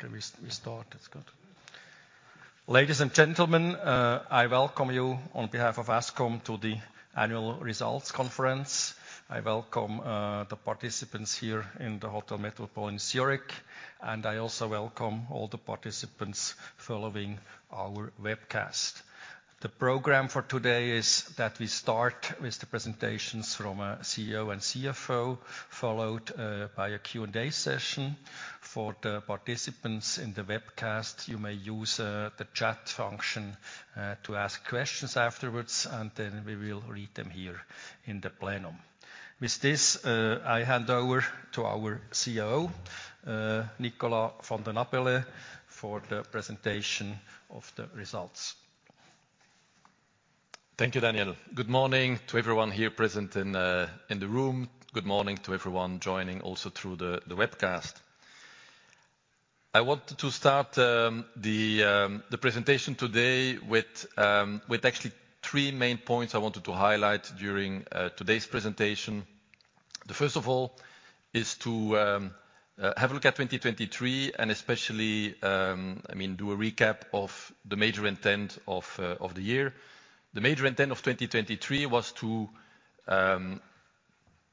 Okay, we start. That's good. Ladies and gentlemen, I welcome you on behalf of Ascom to the annual results conference. I welcome the participants here in the Hotel Metropole in Zurich, and I also welcome all the participants following our webcast. The program for today is that we start with the presentations from CEO and CFO, followed by a Q&A session. For the participants in the webcast, you may use the chat function to ask questions afterwards, and then we will read them here in the plenum. With this, I hand over to our CEO, Nicolas Vanden Abeele, for the presentation of the results. Thank you, Daniel. Good morning to everyone here present in the room. Good morning to everyone joining also through the webcast. I want to start the presentation today with actually three main points I wanted to highlight during today's presentation. The first of all is to have a look at 2023, and especially, I mean, do a recap of the major intent of the year. The major intent of 2023 was to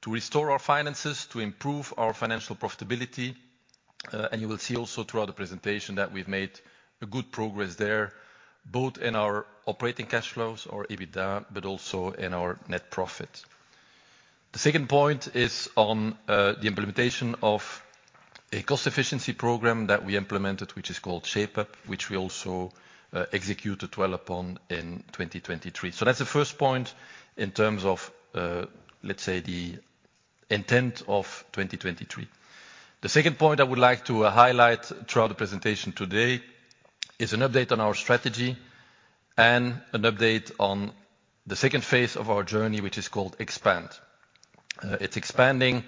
restore our finances, to improve our financial profitability, and you will see also throughout the presentation that we've made a good progress there, both in our operating cash flows or EBITDA, but also in our net profit. The second point is on the implementation of a cost efficiency program that we implemented, which is called Shape Up, which we also executed well upon in 2023. That's the first point in terms of, let's say, the intent of 2023. The second point I would like to highlight throughout the presentation today is an update on our strategy and an update on the second phase of our journey, which is called Expand. It's expanding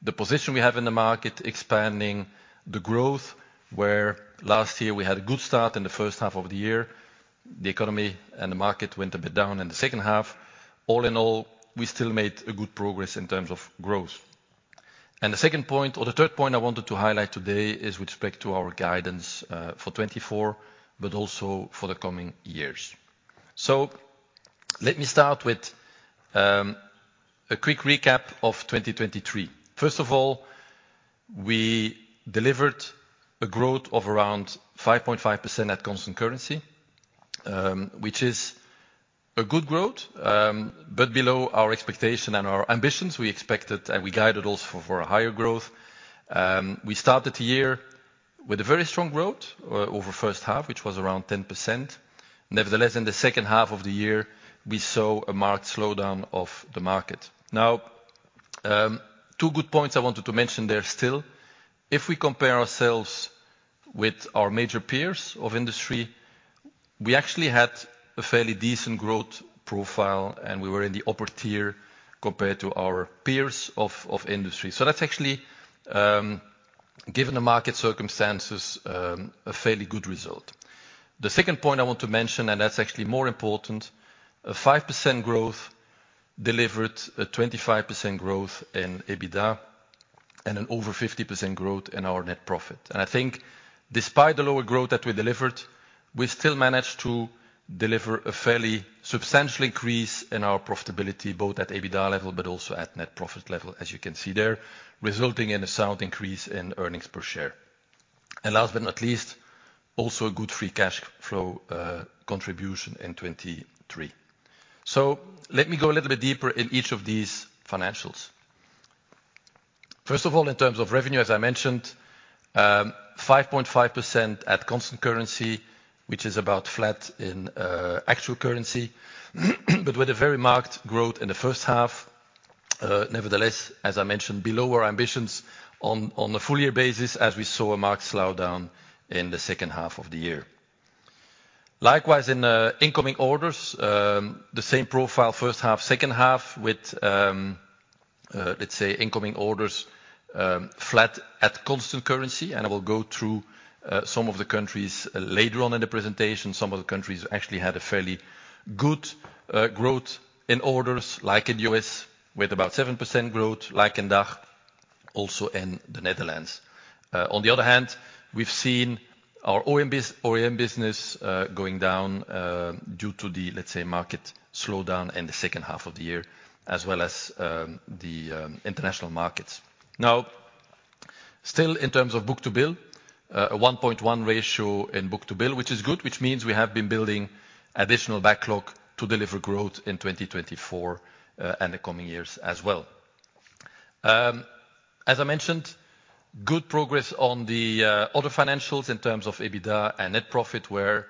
the position we have in the market, expanding the growth, where last year we had a good start in the first half of the year. The economy and the market went a bit down in the second half. All in all, we still made a good progress in terms of growth. The second point, or the third point I wanted to highlight today is with respect to our guidance for 2024, but also for the coming years. Let me start with a quick recap of 2023. First of all, we delivered a growth of around 5.5% at constant currency, which is a good growth, but below our expectation and our ambitions. We expected, and we guided also for a higher growth. We started the year with a very strong growth over first half, which was around 10%. Nevertheless, in the second half of the year, we saw a marked slowdown of the market. Now, two good points I wanted to mention there still. If we compare ourselves with our major peers of industry, we actually had a fairly decent growth profile, and we were in the upper tier compared to our peers of industry. So that's actually, given the market circumstances, a fairly good result. The second point I want to mention, and that's actually more important, a 5% growth delivered a 25% growth in EBITDA and an over 50% growth in our net profit. And I think despite the lower growth that we delivered, we still managed to deliver a fairly substantial increase in our profitability, both at EBITDA level, but also at net profit level, as you can see there, resulting in a sound increase in earnings per share. And last but not least, also a good free cash flow contribution in 2023. So let me go a little bit deeper in each of these financials. First of all, in terms of revenue, as I mentioned, 5.5% at constant currency, which is about flat in actual currency, but with a very marked growth in the first half. Nevertheless, as I mentioned, below our ambitions on a full year basis, as we saw a marked slowdown in the second half of the year. Likewise, in the incoming orders, the same profile, first half, second half, with, let's say, incoming orders flat at constant currency, and I will go through some of the countries later on in the presentation. Some of the countries actually had a fairly good growth in orders, like in U.S., with about 7% growth, like in DACH, also in the Netherlands. On the other hand, we've seen our OEM business going down due to the, let's say, market slowdown in the second half of the year, as well as the international markets. Now, still in terms of book-to-bill, a 1.1 ratio in book-to-bill, which is good, which means we have been building additional backlog to deliver growth in 2024 and the coming years as well. As I mentioned, good progress on the other financials in terms of EBITDA and net profit, where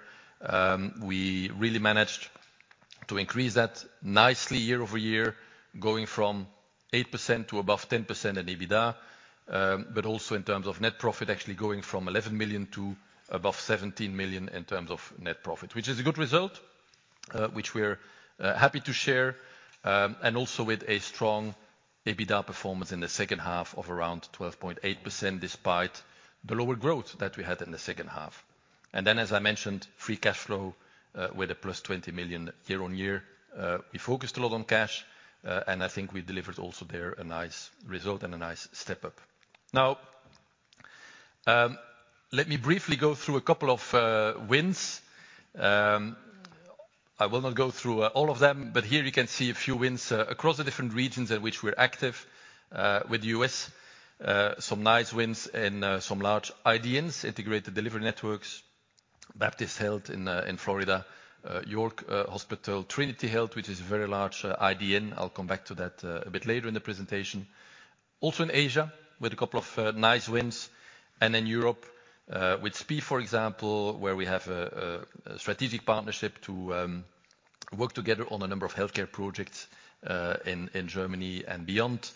we really managed to increase that nicely year-over-year, going from 8% to above 10% in EBITDA. But also in terms of net profit, actually going from 11 million to above 17 million in terms of net profit. Which is a good result, which we're happy to share, and also with a strong EBITDA performance in the second half of around 12.8%, despite the lower growth that we had in the second half. And then, as I mentioned, free cash flow with a +20 million year-on-year. We focused a lot on cash, and I think we delivered also there a nice result and a nice step up. Now, let me briefly go through a couple of wins. I will not go through all of them, but here you can see a few wins across the different regions in which we're active. With U.S., some nice wins and some large IDNs, Integrated Delivery Networks, Baptist Health in in Florida, York Hospital, Trinity Health, which is a very large IDN. I'll come back to that a bit later in the presentation. Also in Asia, with a couple of nice wins, and in Europe, with SPIE, for example, where we have a strategic partnership to work together on a number of healthcare projects in in Germany and beyond.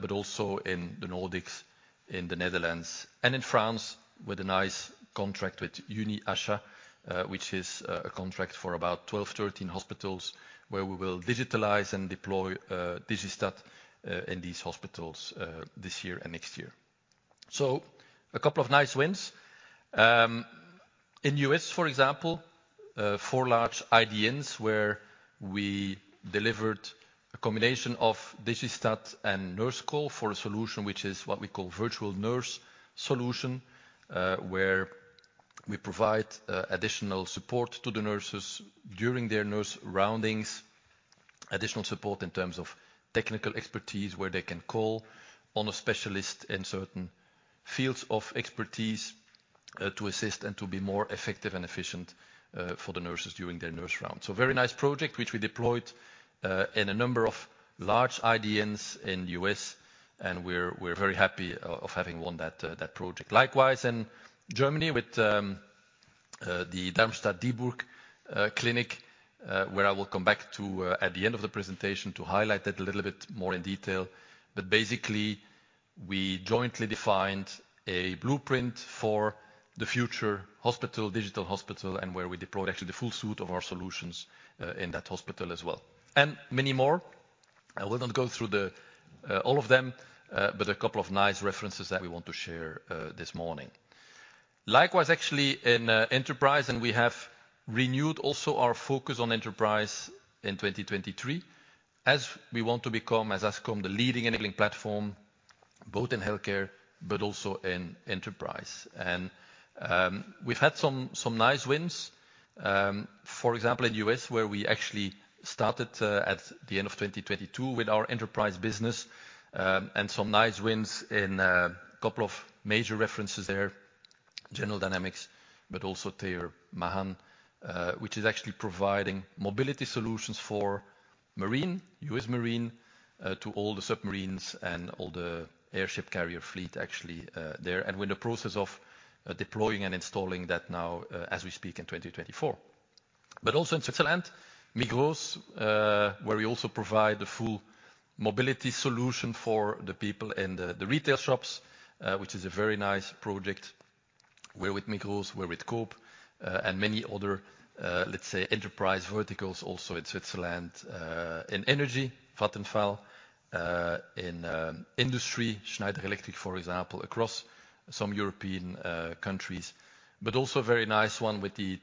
But also in the Nordics, in the Netherlands, and in France, with a nice contract with UniHA, which is a contract for about 12 to 13 hospitals, where we will digitalize and deploy Digistat in these hospitals this year and next year. So a couple of nice wins. In U.S., for example, four large IDNs where we delivered a combination of Digistat and Nurse Call for a solution, which is what we call virtual nurse solution. Where we provide additional support to the nurses during their nurse roundings. Additional support in terms of technical expertise, where they can call on a specialist in certain fields of expertise to assist and to be more effective and efficient for the nurses during their nurse rounds. So very nice project, which we deployed in a number of large IDNs in U.S., and we're very happy of having won that project. Likewise, in Germany, with the Darmstadt Dieburg clinic, where I will come back to at the end of the presentation to highlight that a little bit more in detail. But basically, we jointly defined a blueprint for the future hospital, digital hospital, and where we deployed actually the full suite of our solutions, in that hospital as well. And many more. I will not go through the all of them, but a couple of nice references that we want to share this morning. Likewise, actually in Enterprise, and we have renewed also our focus on Enterprise in 2023, as we want to become, as Ascom, the leading enabling platform, both in healthcare but also in Enterprise. We've had some nice wins, for example, in U.S., where we actually started at the end of 2022 with our Enterprise business, and some nice wins in a couple of major references there, General Dynamics, but also ThayerMahan, which is actually providing mobility solutions for Marine, U.S. Marine, to all the submarines and all the aircraft carrier fleet, actually there. We're in the process of deploying and installing that now, as we speak in 2024. Also in Switzerland, Migros, where we also provide the full mobility solution for the people in the retail shops, which is a very nice project. We're with Migros, we're with Coop, and many other, let's say, Enterprise verticals also in Switzerland. In energy, Vattenfall, in industry, Schneider Electric, for example, across some European countries. But also a very nice one with the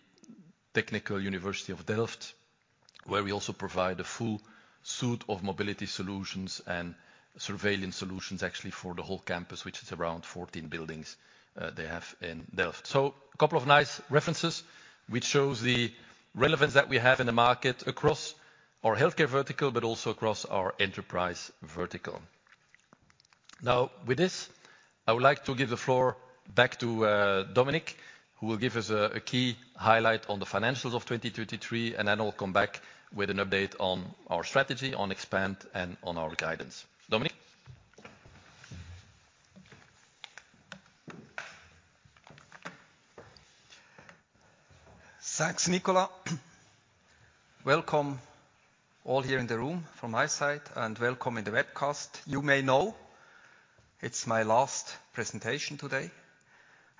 Technical University of Delft, where we also provide a full suite of mobility solutions and surveillance solutions, actually for the whole campus, which is around 14 buildings they have in Delft. So a couple of nice references, which shows the relevance that we have in the market across our Healthcare vertical, but also across our Enterprise vertical. Now, with this, I would like to give the floor back to Dominik, who will give us a key highlight on the financials of 2023, and then I'll come back with an update on our strategy, on expand, and on our guidance. Dominik? Thanks, Nicolas. Welcome all here in the room from my side, and welcome in the webcast. You may know it's my last presentation today.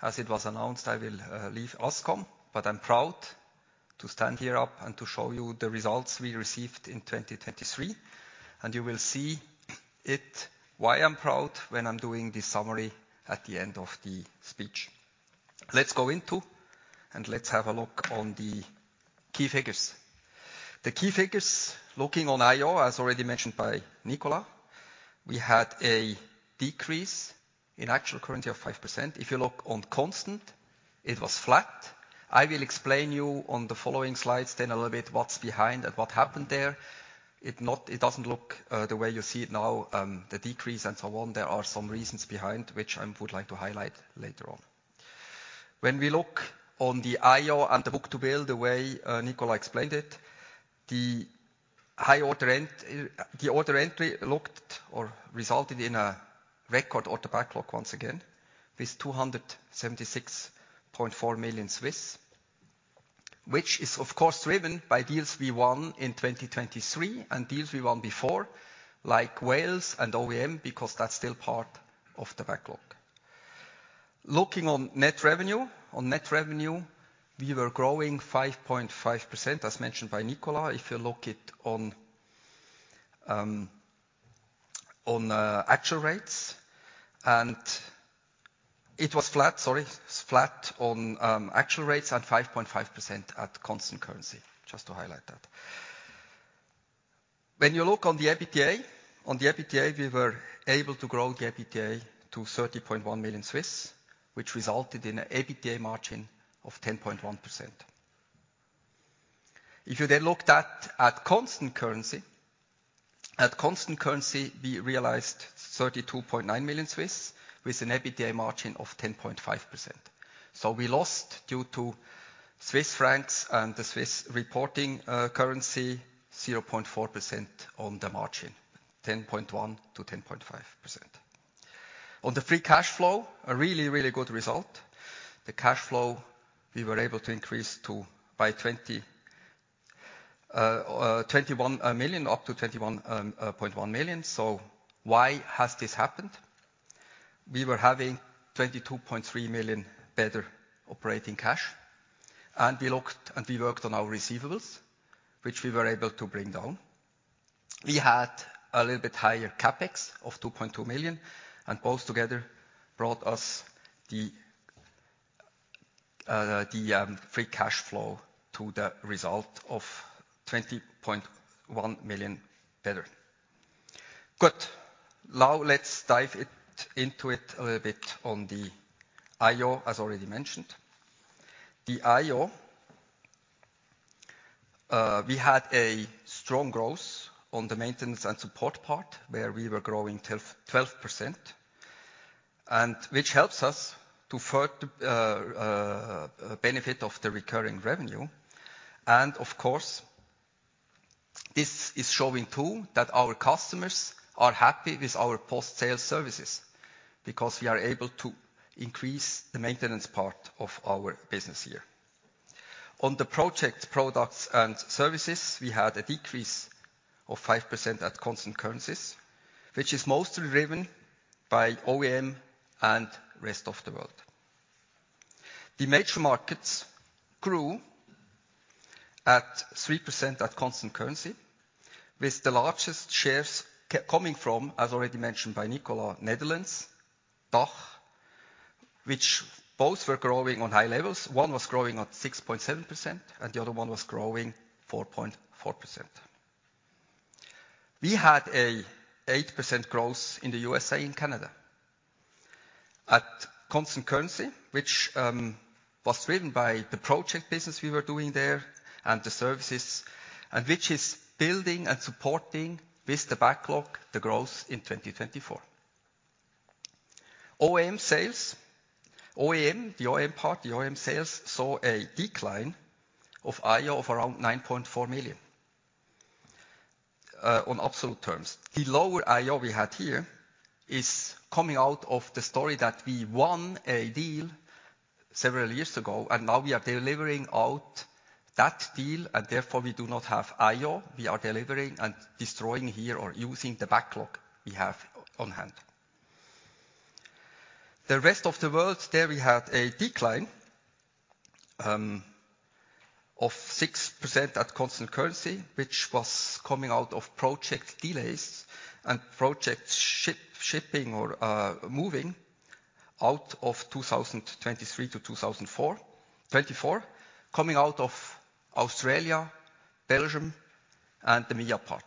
As it was announced, I will leave Ascom, but I'm proud to stand here up and to show you the results we received in 2023. And you will see it, why I'm proud, when I'm doing this summary at the end of the speech. Let's go into and let's have a look on the key figures. The key figures, looking on IO, as already mentioned by Nicolas, we had a decrease in actual currency of 5%. If you look on constant, it was flat. I will explain you on the following slides then a little bit what's behind and what happened there. It doesn't look the way you see it now, the decrease and so on. There are some reasons behind which I would like to highlight later on. When we look on the IO and the book-to-bill the way Nicolas explained it, the high order end, the order entry looked or resulted in a record order backlog once again, with 276.4 million. Which is, of course, driven by deals we won in 2023 and deals we won before, like Wales and OEM, because that's still part of the backlog. Looking on net revenue. On net revenue, we were growing 5.5%, as mentioned by Nicolas. If you look it on, on actual rates, and it was flat, sorry, it's flat on actual rates at 5.5% at constant currency, just to highlight that. When you look on the EBITDA, we were able to grow the EBITDA to 30.1 million, which resulted in an EBITDA margin of 10.1%. If you then looked at constant currency, we realized 32.9 million, with an EBITDA margin of 10.5%. So we lost due to Swiss francs and the Swiss reporting currency 0.4% on the margin, 10.1%-10.5%. On the free cash flow, a really, really good result. The cash flow, we were able to increase by 21.1 million. So why has this happened? We were having 22.3 million better operating cash, and we looked and we worked on our receivables, which we were able to bring down. We had a little bit higher CapEx of 2.2 million, and both together brought us the free cash flow to the result of 20.1 million better. Good. Now let's dive into it a little bit on the IO, as already mentioned. The IO, we had a strong growth on the maintenance and support part, where we were growing 12%, and which helps us to further benefit of the recurring revenue. And of course, this is showing, too, that our customers are happy with our post-sale services, because we are able to increase the maintenance part of our business here. On the project products and services, we had a decrease of 5% at constant currencies, which is mostly driven by OEM and rest of the world. The major markets grew at 3% at constant currency, with the largest shares coming from, as already mentioned by Nicolas, Netherlands, DACH, which both were growing on high levels. One was growing at 6.7%, and the other one was growing 4.4%. We had an 8% growth in the USA and Canada at constant currency, which was driven by the project business we were doing there and the services, and which is building and supporting with the backlog, the growth in 2024. OEM sales. OEM, the OEM part, the OEM sales, saw a decline of IO of around 9.4 million on absolute terms. The lower IO we had here is coming out of the story that we won a deal several years ago, and now we are delivering out that deal, and therefore we do not have IO. We are delivering and destroying here or using the backlog we have on hand. The rest of the world, there we had a decline of 6% at constant currency, which was coming out of project delays and project shipping or moving out of 2023 to 2024, coming out of Australia, Belgium, and the MEA part.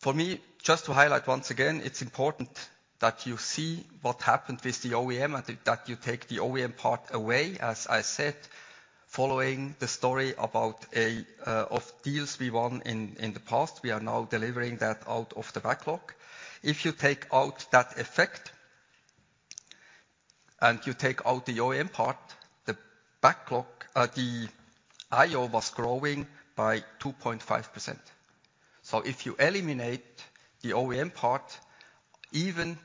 For me, just to highlight once again, it's important that you see what happened with the OEM and that you take the OEM part away. As I said, following the story about a of deals we won in the past, we are now delivering that out of the backlog. If you take out that effect, and you take out the OEM part, the backlog, the IO was growing by 2.5%. So if you eliminate the OEM part, even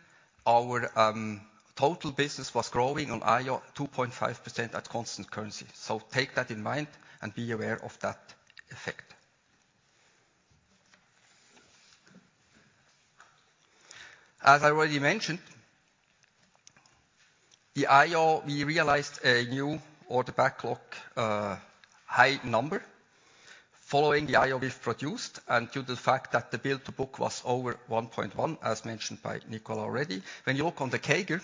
our total business was growing on IO 2.5% at constant currency. So take that in mind and be aware of that effect. As I already mentioned, the IO, we realized a new order backlog high number following the IO we've produced and due to the fact that the book-to-bill was over 1.1, as mentioned by Nicolas already. When you look on the CAGR,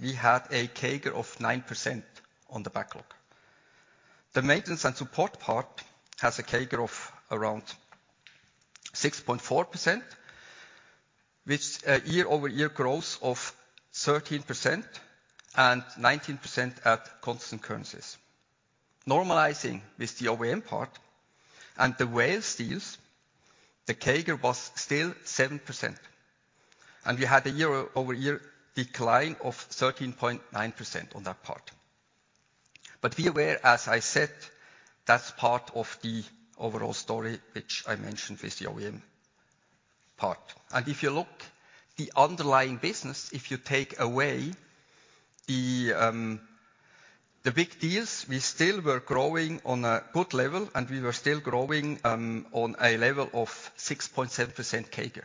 we had a CAGR of 9% on the backlog. The maintenance and support part has a CAGR of around 6.4%, which year-over-year growth of 13% and 19% at constant currencies. Normalizing with the OEM part and the VoWiFi sales, the CAGR was still 7%, and we had a year-over-year decline of 13.9% on that part. But be aware, as I said, that's part of the overall story, which I mentioned with the OEM part. And if you look the underlying business, if you take away the the big deals, we still were growing on a good level, and we were still growing on a level of 6.7% CAGR.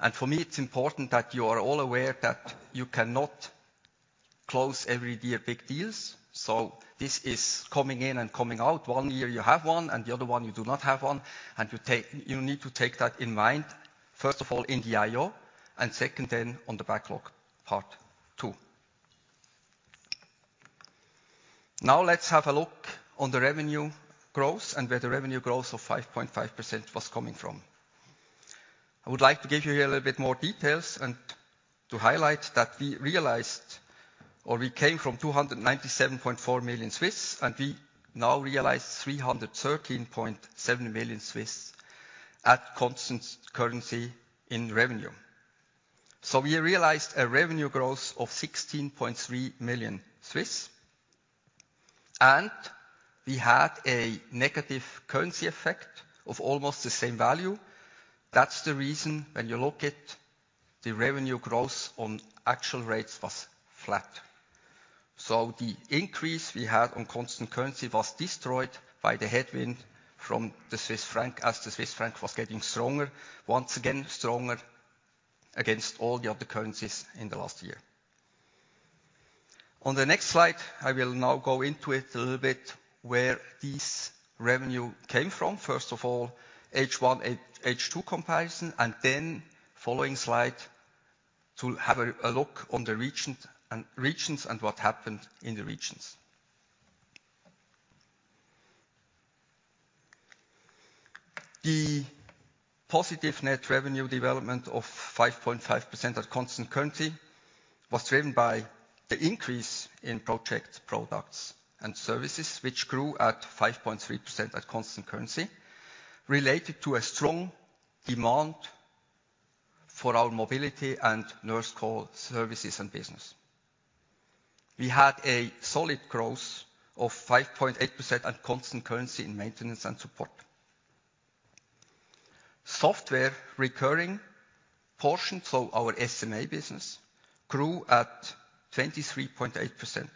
And for me, it's important that you are all aware that you cannot close every year big deals, so this is coming in and coming out. One year you have one, and the other one you do not have one, and you need to take that in mind, first of all, in the IO, and second, then, on the backlog part, too. Now let's have a look on the revenue growth and where the revenue growth of 5.5% was coming from. I would like to give you a little bit more details and to highlight that we realized or we came from 297.4 million, and we now realize 313.7 million at constant currency in revenue. So we realized a revenue growth of 16.3 million, and we had a negative currency effect of almost the same value. That's the reason, when you look at the revenue growth on actual rates was flat. So the increase we had on constant currency was destroyed by the headwind from the Swiss franc, as the Swiss franc was getting stronger, once again stronger against all the other currencies in the last year. On the next slide, I will now go into it a little bit, where this revenue came from. First of all, H1,H2 comparison, and then, following slide, to have a look on the regions and what happened in the regions. The positive net revenue development of 5.5% at constant currency was driven by the increase in project products and services, which grew at 5.3% at constant currency, related to a strong demand for our mobility and nurse call services and business. We had a solid growth of 5.8% at constant currency in maintenance and support. Software recurring portion, so our SMA business, grew at 23.8%.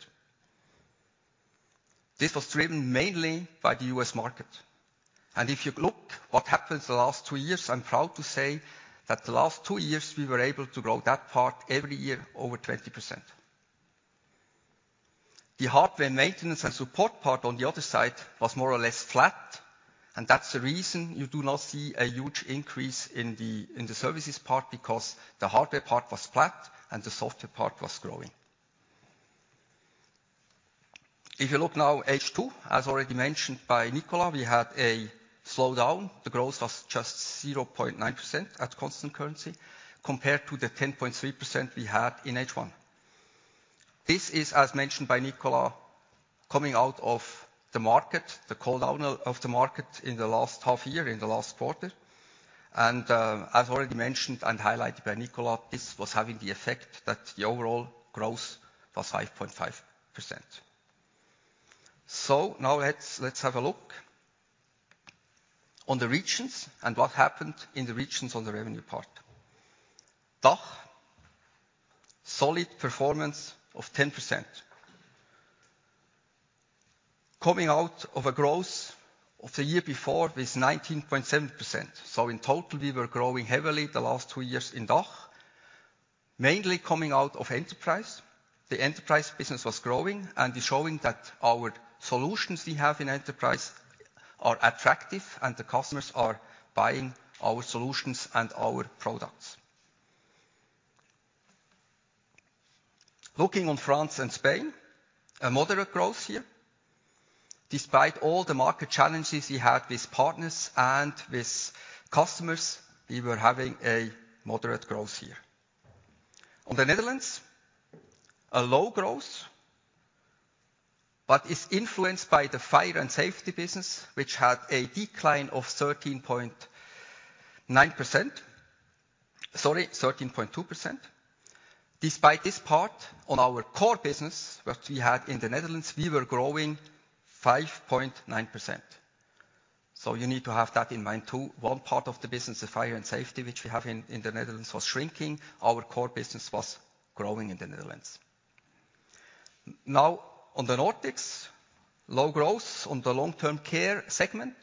This was driven mainly by the U.S. market. If you look what happened the last two years, I'm proud to say that the last two years we were able to grow that part every year over 20%. The hardware maintenance and support part, on the other side, was more or less flat, and that's the reason you do not see a huge increase in the services part, because the hardware part was flat and the software part was growing. If you look now H2, as already mentioned by Nicolas, we had a slowdown. The growth was just 0.9% at constant currency compared to the 10.3% we had in H1. This is, as mentioned by Nicolas, coming out of the market, the cool down of the market in the last half year, in the last quarter. And, as already mentioned and highlighted by Nicolas, this was having the effect that the overall growth was 5.5%. So now let's, let's have a look on the regions and what happened in the regions on the revenue part. DACH, solid performance of 10%. Coming out of a growth of the year before with 19.7%. So in total, we were growing heavily the last two years in DACH, mainly coming out of enterprise. The enterprise business was growing and is showing that our solutions we have in enterprise are attractive and the customers are buying our solutions and our products. Looking on France and Spain, a moderate growth here. Despite all the market challenges we had with partners and with customers, we were having a moderate growth here. On the Netherlands, a low growth, but it's influenced by the fire and safety business, which had a decline of 13.9%. Sorry, 13.2%. Despite this part, on our core business that we had in the Netherlands, we were growing 5.9%. So you need to have that in mind, too. One part of the business, the fire and safety, which we have in the Netherlands, was shrinking. Our core business was growing in the Netherlands. Now, on the Nordics, low growth on the long-term care segment,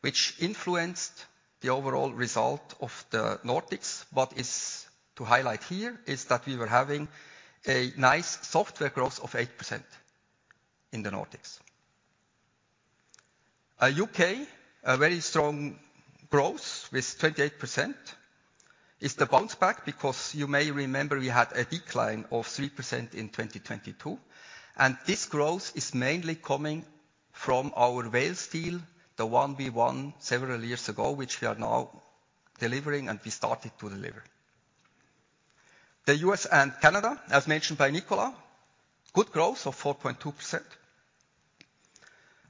which influenced the overall result of the Nordics, but is to highlight here is that we were having a nice software growth of 8% in the Nordics. U.K., a very strong growth with 28%. It's the bounce back, because you may remember we had a decline of 3% in 2022, and this growth is mainly coming from our Wales deal, the one we won several years ago, which we are now delivering, and we started to deliver. The U.S. and Canada, as mentioned by Nicolas, good growth of 4.2%.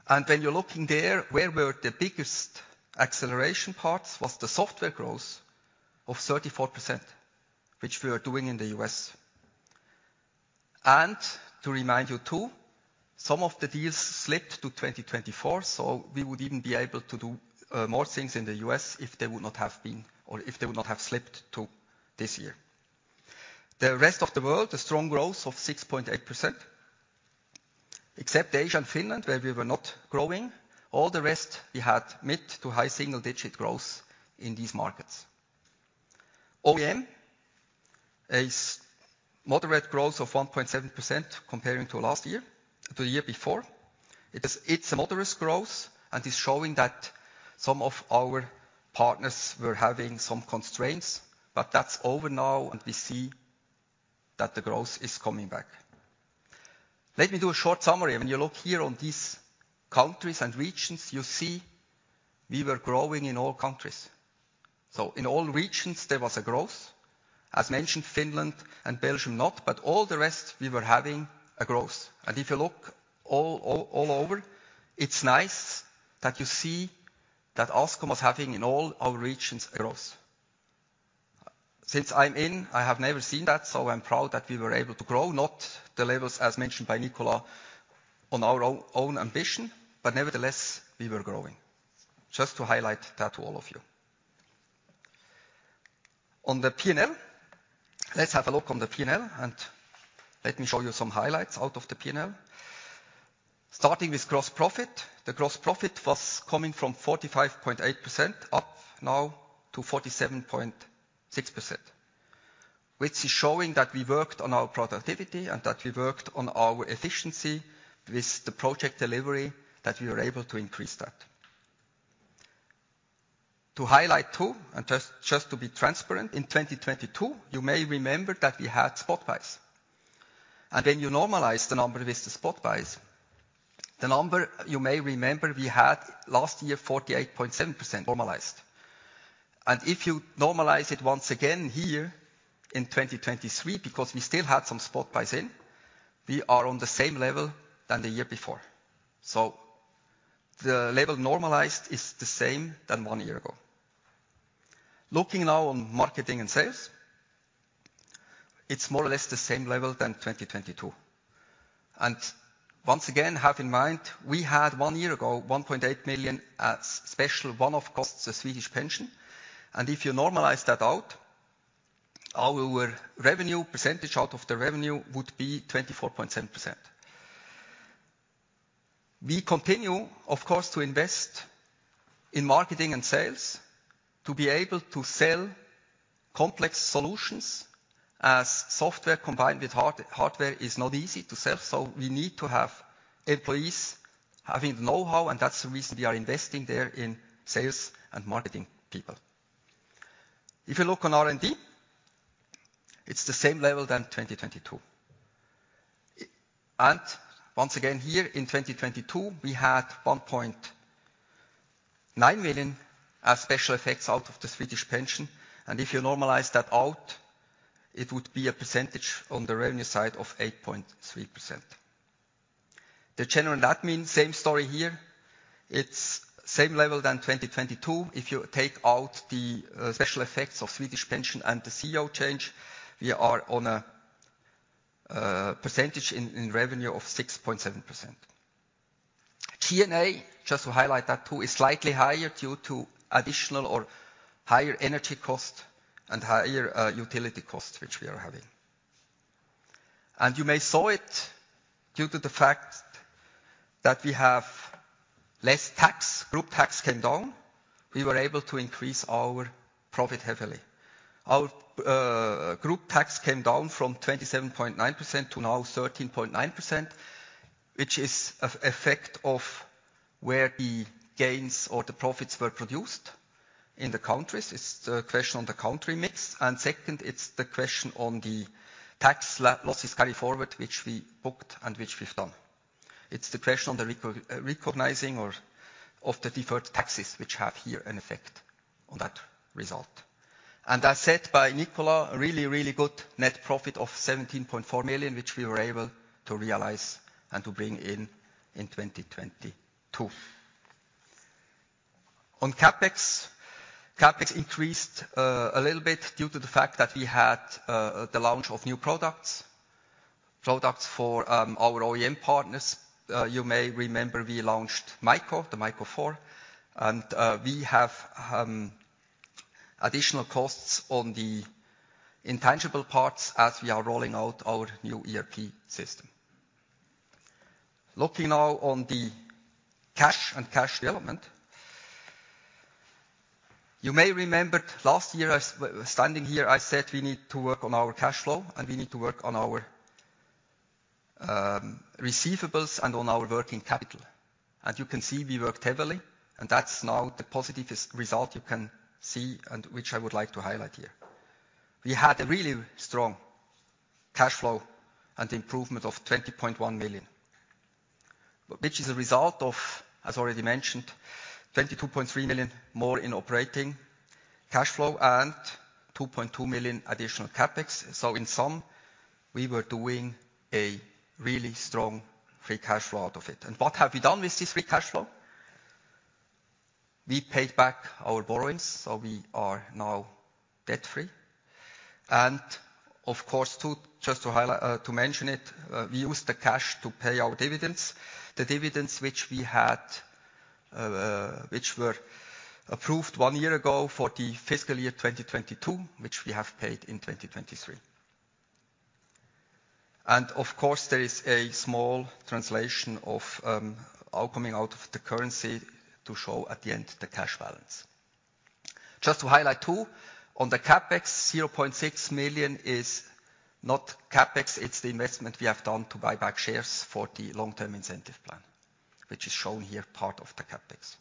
And when you're looking there, where were the biggest acceleration parts was the software growth of 34%, which we are doing in the U.S. And to remind you, too, some of the deals slipped to 2024, so we would even be able to do more things in the U.S. if they would not have been or if they would not have slipped to this year. The rest of the world, a strong growth of 6.8%. Except Asia and Finland, where we were not growing, all the rest, we had mid- to high single-digit growth in these markets. OEM, as moderate growth of 1.7% comparing to last year, to the year before. It's a moderate growth, and is showing that some of our partners were having some constraints, but that's over now, and we see that the growth is coming back. Let me do a short summary. When you look here on these countries and regions, you see we were growing in all countries. So in all regions, there was a growth. As mentioned, Finland and Belgium not, but all the rest, we were having a growth. And if you look all, all, all over, it's nice that you see that Ascom was having, in all our regions, a growth. Since I'm in, I have never seen that, so I'm proud that we were able to grow, not the levels, as mentioned by Nicolas, on our own, own ambition, but nevertheless, we were growing. Just to highlight that to all of you. On the P&L. Let's have a look on the P&L, and let me show you some highlights out of the P&L. Starting with gross profit. The gross profit was coming from 45.8%, up now to 47.6%, which is showing that we worked on our productivity and that we worked on our efficiency with the project delivery, that we were able to increase that. To highlight, too, and just, just to be transparent, in 2022, you may remember that we had spot buys. When you normalize the number with the spot buys, the number you may remember we had last year, 48.7% normalized. If you normalize it once again here in 2023, because we still had some spot buys in, we are on the same level than the year before. The level normalized is the same than one year ago. Looking now on marketing and sales, it's more or less the same level than 2022. Once again, have in mind, we had, one year ago, 1.8 million at special one-off costs, the Swedish pension, and if you normalize that out, our revenue percentage out of the revenue would be 24.7%. We continue, of course, to invest in marketing and sales, to be able to sell complex solutions, as software combined with hard-hardware is not easy to sell, so we need to have employees having the know-how, and that's the reason we are investing there in sales and marketing people. If you look on R&D, it's the same level than 2022. And once again, here in 2022, we had 1.9 million as special effects out of the Swedish pension, and if you normalize that out, it would be a percentage on the revenue side of 8.3%. The general admin, same story here. It's same level than 2022. If you take out the special effects of Swedish pension and the CEO change, we are on a percentage in revenue of 6.7%. G&A, just to highlight that, too, is slightly higher due to additional or higher energy costs and higher utility costs, which we are having. And you may saw it, due to the fact that we have less tax, group tax came down, we were able to increase our profit heavily. Our group tax came down from 27.9% to now 13.9%, which is effect of where the gains or the profits were produced in the countries. It's the question on the country mix, and second, it's the question on the tax losses carryforward, which we booked and which we've done. It's the question on the recognizing or of the deferred taxes, which have here an effect on that result. As said by Nicolas, a really, really good net profit of 17.4 million, which we were able to realize and to bring in in 2022. On CapEx, CapEx increased a little bit due to the fact that we had the launch of new products, products for our OEM partners. You may remember we launched Myco, the Myco 4, and we have additional costs on the intangible parts as we are rolling out our new ERP system. Looking now on the cash and cash development. You may remember last year as when standing here, I said we need to work on our cash flow, and we need to work on our receivables and on our working capital. As you can see, we worked heavily, and that's now the positive result you can see, and which I would like to highlight here. We had a really strong cash flow and improvement of 20.1 million, which is a result of, as already mentioned, 22.3 million more in operating cash flow and 2.2 million additional CapEx. So in sum, we were doing a really strong free cash flow out of it. And what have we done with this free cash flow? We paid back our borrowings, so we are now debt-free. And of course, to, just to highlight, to mention it, we used the cash to pay our dividends, the dividends which were approved one year ago for the fiscal year 2022, which we have paid in 2023. Of course, there is a small translation effect coming out of the currency to show at the end, the cash balance. Just to highlight, too, on the CapEx, 0.6 million is not CapEx, it's the investment we have done to buy back shares for the long-term incentive plan, which is shown here, part of the CapEx.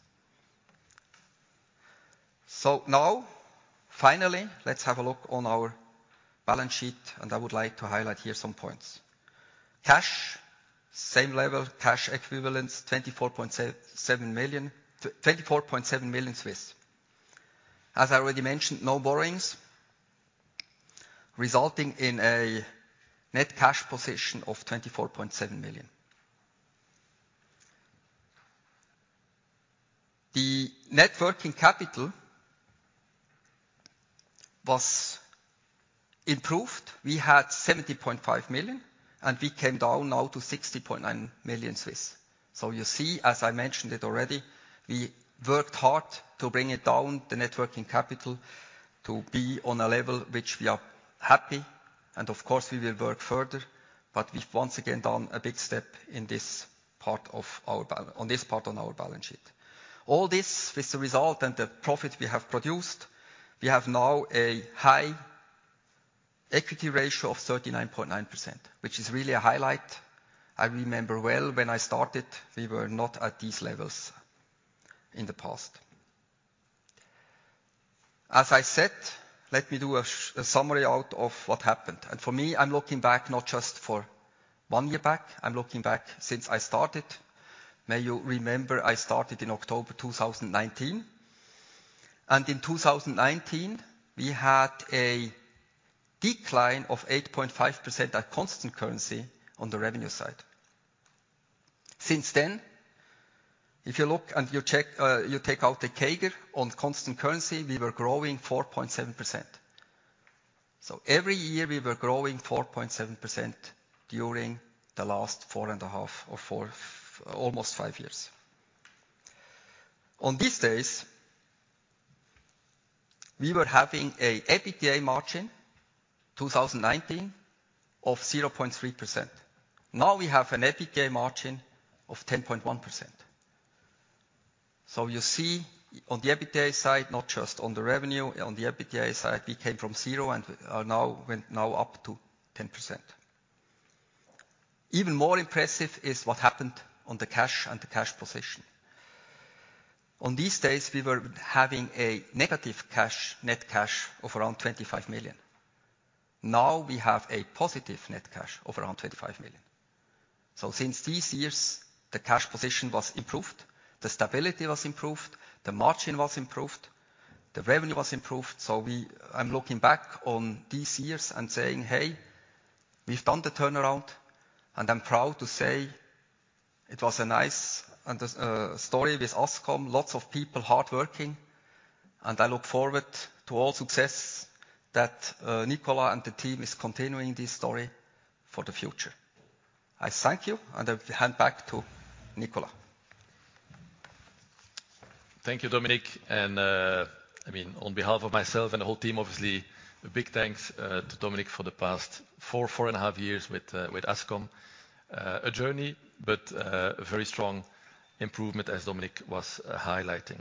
So now, finally, let's have a look on our balance sheet, and I would like to highlight here some points. Cash, same level. Cash equivalents, 24.7 million. As I already mentioned, no borrowings, resulting in a net cash position of 24.7 million. The net working capital was improved. We had 70.5 million, and we came down now to 60.9 million. So you see, as I mentioned it already, we worked hard to bring it down, the net working capital, to be on a level which we are happy, and of course, we will work further, but we've once again done a big step in this part of our balance sheet. All this with the result and the profit we have produced, we have now a high equity ratio of 39.9%, which is really a highlight. I remember well when I started, we were not at these levels in the past. As I said, let me do a summary out of what happened. And for me, I'm looking back not just for one year back, I'm looking back since I started. As you may remember, I started in October 2019, and in 2019, we had a decline of 8.5% at constant currency on the revenue side. Since then, if you look and you check, you take out the CAGR on constant currency, we were growing 4.7%. So every year we were growing 4.7% during the last four and a half or almost five years. In those days, we were having an EBITDA margin in 2019 of 0.3%. Now we have an EBITDA margin of 10.1%. So you see on the EBITDA side, not just on the revenue, on the EBITDA side, we came from zero and now up to 10%. Even more impressive is what happened on the cash and the cash position. On these days, we were having a negative cash, net cash of around 25 million. Now we have a positive net cash of around 25 million. So since these years, the cash position was improved, the stability was improved, the margin was improved, the revenue was improved. So I'm looking back on these years and saying, "Hey, we've done the turnaround," and I'm proud to say it was a nice and story with Ascom. Lots of people hardworking, and I look forward to all success that Nicolas and the team is continuing this story for the future. I thank you, and I hand back to Nicolas. Thank you, Dominik, and, I mean, on behalf of myself and the whole team, obviously, a big thanks to Dominik for the past four, four and a half years with Ascom. A journey, but a very strong improvement, as Dominik was highlighting.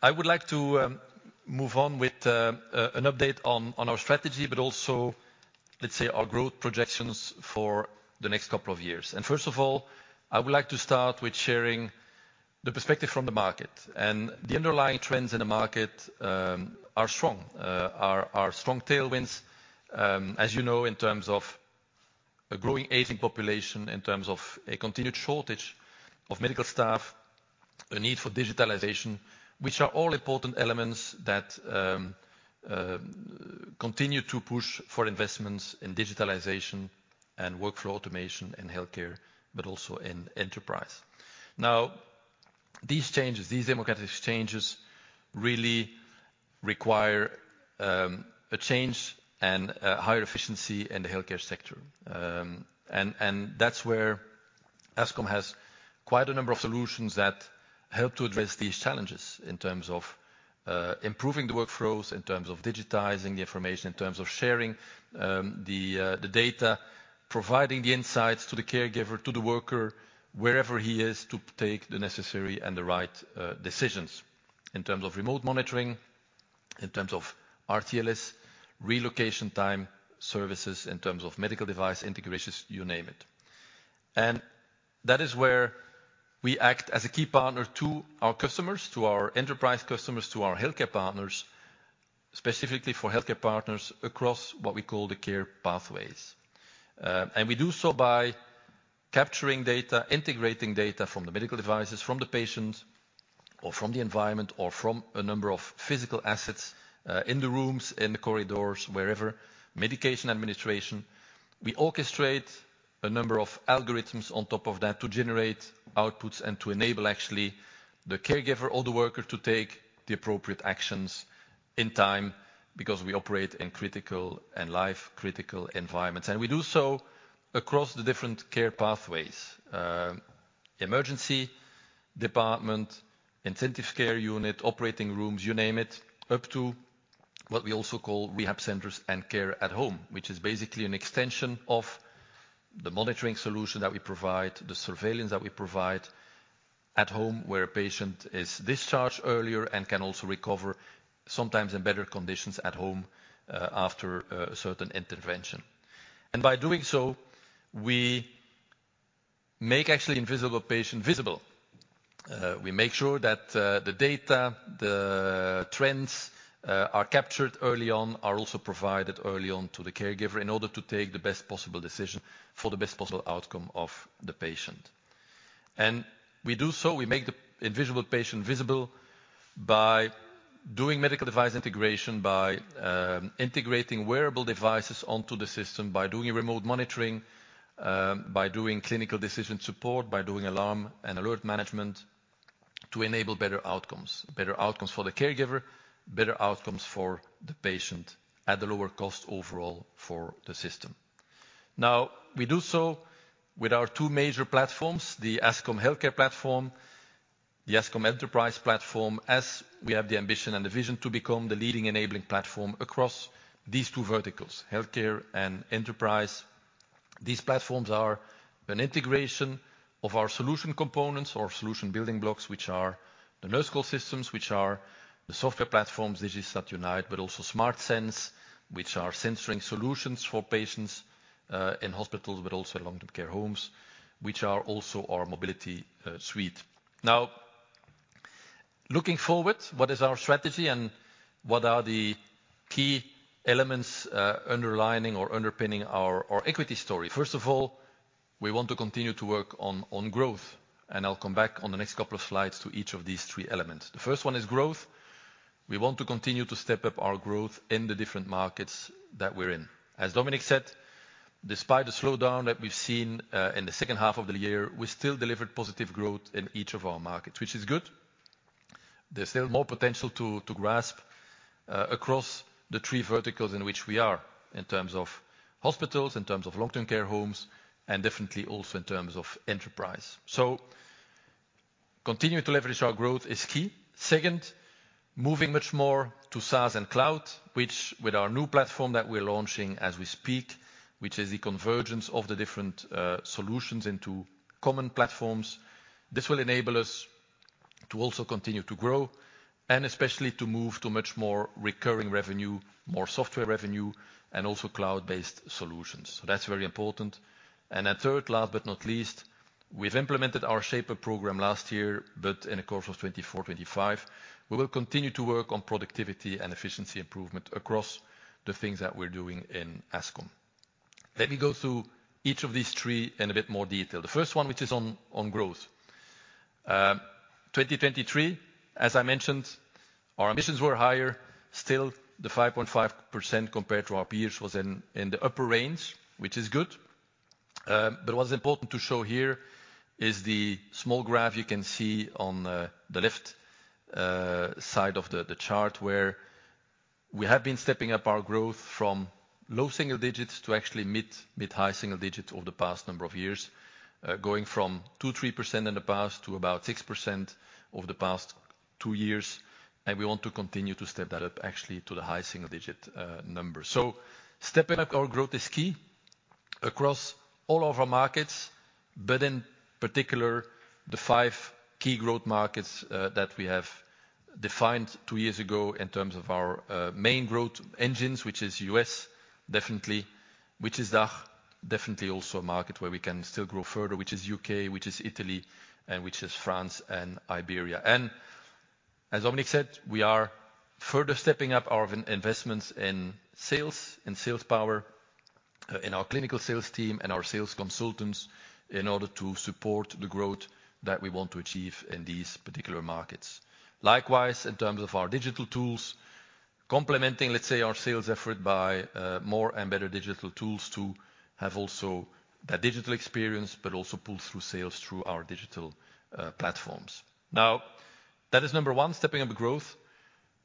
I would like to move on with an update on our strategy, but also, let's say, our growth projections for the next couple of years. First of all, I would like to start with sharing the perspective from the market. The underlying trends in the market are strong. There are strong tailwinds, as you know, in terms of a growing, aging population, in terms of a continued shortage of medical staff, a need for digitalization, which are all important elements that continue to push for investments in digitalization and workflow automation in healthcare, but also in enterprise. Now, these changes, these demographic changes, really require a change and higher efficiency in the healthcare sector. And that's where Ascom has quite a number of solutions that help to address these challenges in terms of improving the workflows, in terms of digitizing the information, in terms of sharing the data, providing the insights to the caregiver, to the worker, wherever he is, to take the necessary and the right decisions. In terms of remote monitoring, in terms of RTLS, real-time location services, in terms of medical device integrations, you name it. That is where we act as a key partner to our customers, to our enterprise customers, to our healthcare partners, specifically for healthcare partners across what we call the care pathways. We do so by capturing data, integrating data from the medical devices, from the patient, or from the environment, or from a number of physical assets, in the rooms, in the corridors, wherever, medication administration. We orchestrate a number of algorithms on top of that to generate outputs and to enable the caregiver or the worker to take the appropriate actions in time, because we operate in critical and life-critical environments. And we do so across the different care pathways, emergency department, intensive care unit, operating rooms, you name it, up to what we also call rehab centers and care at home, which is basically an extension of the monitoring solution that we provide, the surveillance that we provide at home, where a patient is discharged earlier and can also recover, sometimes in better conditions, at home, after a certain intervention. And by doing so, we make actually the invisible patient visible. We make sure that the data, the trends, are captured early on, are also provided early on to the caregiver in order to take the best possible decision for the best possible outcome of the patient. We do so, we make the invisible patient visible by doing medical device integration, by, integrating wearable devices onto the system, by doing remote monitoring, by doing clinical decision support, by doing alarm and alert management, to enable better outcomes. Better outcomes for the caregiver, better outcomes for the patient, at a lower cost overall for the system. Now, we do so with our two major platforms, the Ascom Healthcare Platform, the Ascom Enterprise Platform, as we have the ambition and the vision to become the leading enabling platform across these two verticals, healthcare and enterprise. These platforms are an integration of our solution components, or solution building blocks, which are the nurse call systems, which are the software platforms, Digistat Unite, but also SmartSense, which are sensing solutions for patients, in hospitals, but also in long-term care homes, which are also our mobility suite. Now, looking forward, what is our strategy and what are the key elements, underlining or underpinning our, our equity story? First of all, we want to continue to work on, on growth, and I'll come back on the next couple of slides to each of these three elements. The first one is growth. We want to continue to step up our growth in the different markets that we're in. As Dominik said, despite the slowdown that we've seen in the second half of the year, we still delivered positive growth in each of our markets, which is good. There's still more potential to, to grasp across the three verticals in which we are, in terms of hospitals, in terms of long-term care homes, and definitely also in terms of enterprise. So continuing to leverage our growth is key. Second, moving much more to SaaS and cloud, which with our new platform that we're launching as we speak, which is the convergence of the different solutions into common platforms. This will enable us to also continue to grow, and especially to move to much more recurring revenue, more software revenue, and also cloud-based solutions. So that's very important. And then third, last but not least, we've implemented our Shape Up program last year, but in the course of 2024, 2025, we will continue to work on productivity and efficiency improvement across the things that we're doing in Ascom. Let me go through each of these three in a bit more detail. The first one, which is on growth. 2023, as I mentioned, our emissions were higher. Still, the 5.5% compared to our peers was in the upper range, which is good. But what's important to show here is the small graph you can see on the left side of the chart, where we have been stepping up our growth from low single digits to actually mid-high single digits over the past number of years. Going from 2%-3% in the past to about 6% over the past two years, and we want to continue to step that up, actually, to the high single-digit number. So stepping up our growth is key across all of our markets, but in particular, the five key growth markets that we have defined two years ago in terms of our main growth engines, which is U.S., definitely, which is DACH, definitely also a market where we can still grow further, which is U.K., which is Italy, and which is France and Iberia. And as Dominik said, we are further stepping up our investments in sales and sales power in our clinical sales team and our sales consultants, in order to support the growth that we want to achieve in these particular markets. Likewise, in terms of our digital tools, complementing, let's say, our sales effort by more and better digital tools to have also that digital experience, but also pull through sales through our digital platforms. Now, that is number one, stepping up the growth.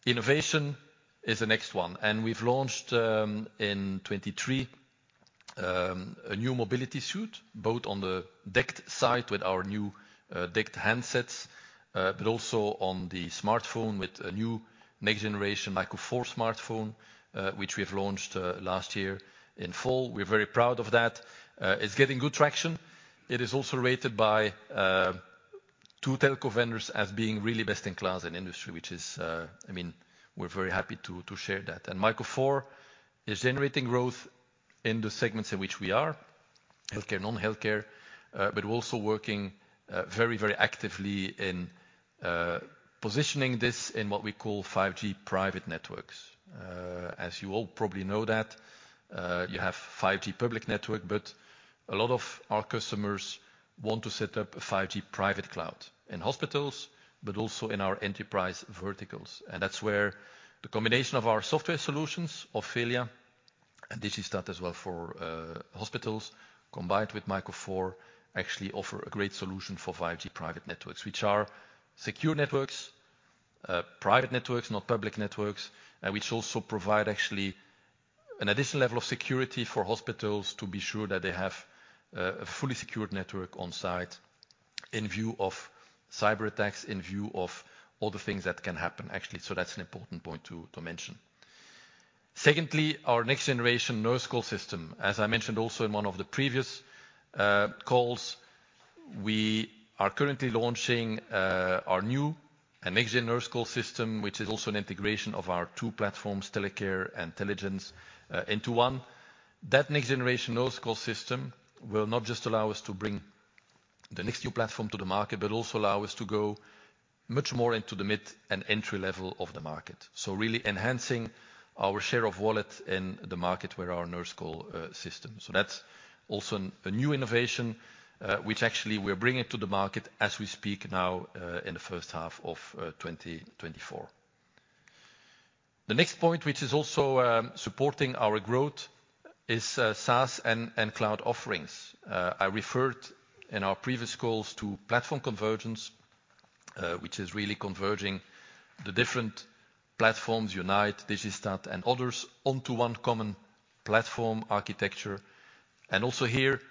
Innovation is the next one, and we've launched in 2023 a new mobility suite, both on the DECT side with our new DECT handsets, but also on the smartphone with a new next-generation Myco 4 smartphone, which we have launched last year in fall. We're very proud of that. It's getting good traction. It is also rated by two telco vendors as being really best-in-class in industry, which is... I mean, we're very happy to share that. Myco 4 is generating growth in the segments in which we are, healthcare, non-healthcare, but also working very, very actively in positioning this in what we call 5G private networks. As you all probably know that you have 5G public network, but a lot of our customers want to set up a 5G private cloud in hospitals, but also in our enterprise verticals. And that's where the combination of our software solutions, Ofelia and Digistat as well for hospitals, combined with Myco 4, actually offer a great solution for 5G private networks, which are secure networks, private networks, not public networks, and which also provide actually an additional level of security for hospitals to be sure that they have a fully secured network on site in view of cyber attacks, in view of all the things that can happen, actually. So that's an important point to mention. Secondly, our next generation nurse call system. As I mentioned also in one of the previous calls, we are currently launching our new and next gen nurse call system, which is also an integration of our two platforms, teleCARE and Telligence, into one. That next generation nurse call system will not just allow us to bring the next new platform to the market, but also allow us to go much more into the mid and entry level of the market. So really enhancing our share of wallet in the market with our nurse call system. So that's also a new innovation, which actually we're bringing to the market as we speak now, in the first half of 2024. The next point, which is also supporting our growth is SaaS and cloud offerings. I referred in our previous calls to platform convergence, which is really converging the different platforms, Unite, Digistat, and others, onto one common platform architecture. Also here,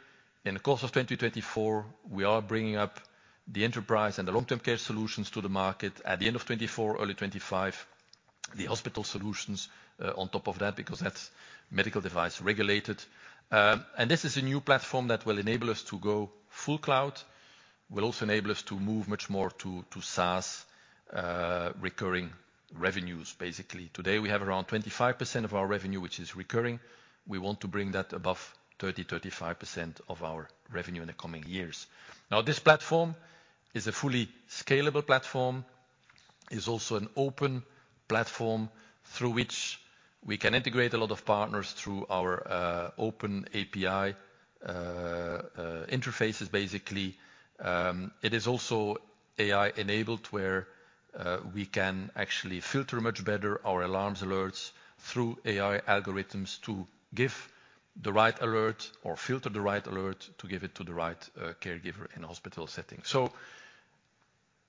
in the course of 2024, we are bringing up the enterprise and the long-term care solutions to the market. At the end of 2024, early 2025, the hospital solutions on top of that, because that's medical device regulated. This is a new platform that will enable us to go full cloud, will also enable us to move much more to SaaS recurring revenues, basically. Today, we have around 25% of our revenue, which is recurring. We want to bring that above 30%-35% of our revenue in the coming years. Now, this platform is a fully scalable platform, is also an open platform through which we can integrate a lot of partners through our, open API, interfaces, basically. It is also AI-enabled, where, we can actually filter much better our alarms, alerts through AI algorithms to give the right alert or filter the right alert to give it to the right, caregiver in a hospital setting. So,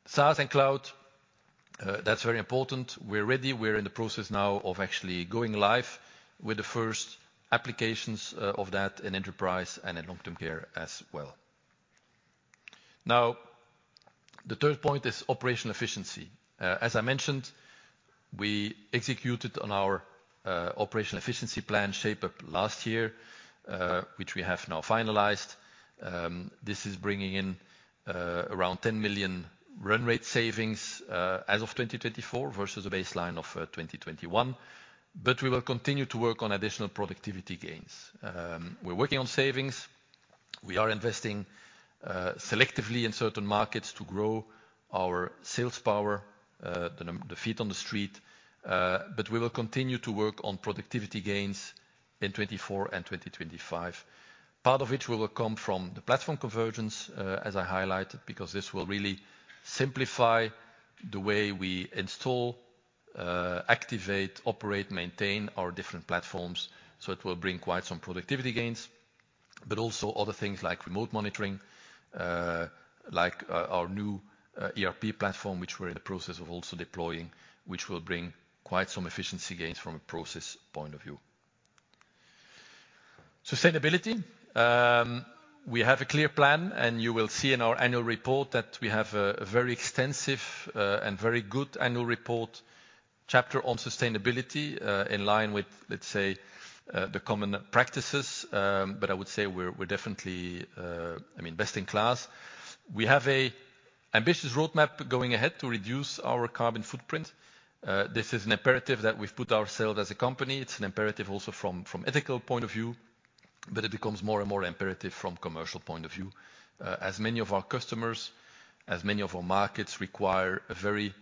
SaaS and cloud, that's very important. We're ready. We're in the process now of actually going live with the first applications, of that in enterprise and in long-term care as well. Now, the third point is operational efficiency. As I mentioned, we executed on our, operational efficiency plan shape up last year, which we have now finalized. This is bringing in around 10 million run rate savings as of 2024 versus a baseline of 2021. But we will continue to work on additional productivity gains. We're working on savings. We are investing selectively in certain markets to grow our sales power, the feet on the street, but we will continue to work on productivity gains in 2024 and 2025. Part of which will come from the platform convergence, as I highlighted, because this will really simplify the way we install, activate, operate, maintain our different platforms, so it will bring quite some productivity gains. But also other things like remote monitoring, like our new ERP platform, which we're in the process of also deploying, which will bring quite some efficiency gains from a process point of view. Sustainability. We have a clear plan, and you will see in our annual report that we have a very extensive and very good annual report chapter on sustainability, in line with, let's say, the common practices. But I would say we're definitely, I mean, best in class. We have an ambitious roadmap going ahead to reduce our carbon footprint. This is an imperative that we've put ourselves as a company. It's an imperative also from ethical point of view, but it becomes more and more imperative from commercial point of view. As many of our customers, as many of our markets require a very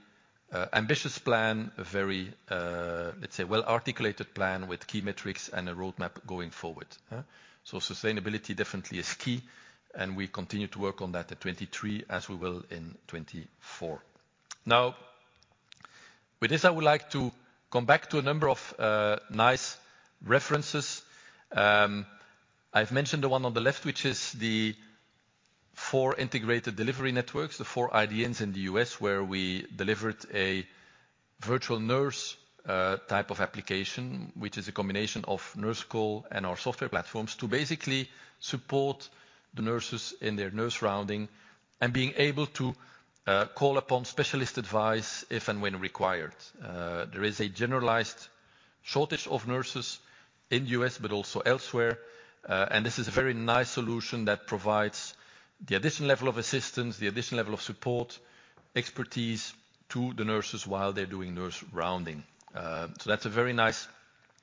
ambitious plan, a very, let's say, well-articulated plan with key metrics and a roadmap going forward, huh? So sustainability definitely is key, and we continue to work on that at 2023, as we will in 2024. Now, with this, I would like to come back to a number of, nice references. I've mentioned the one on the left, which is the four integrated delivery networks, the four IDNs in the U.S., where we delivered a virtual nurse, type of application, which is a combination of nurse call and our software platforms to basically support the nurses in their nurse rounding and being able to, call upon specialist advice if and when required. There is a generalized shortage of nurses in the U.S., but also elsewhere, and this is a very nice solution that provides the additional level of assistance, the additional level of support, expertise to the nurses while they're doing nurse rounding. So that's a very nice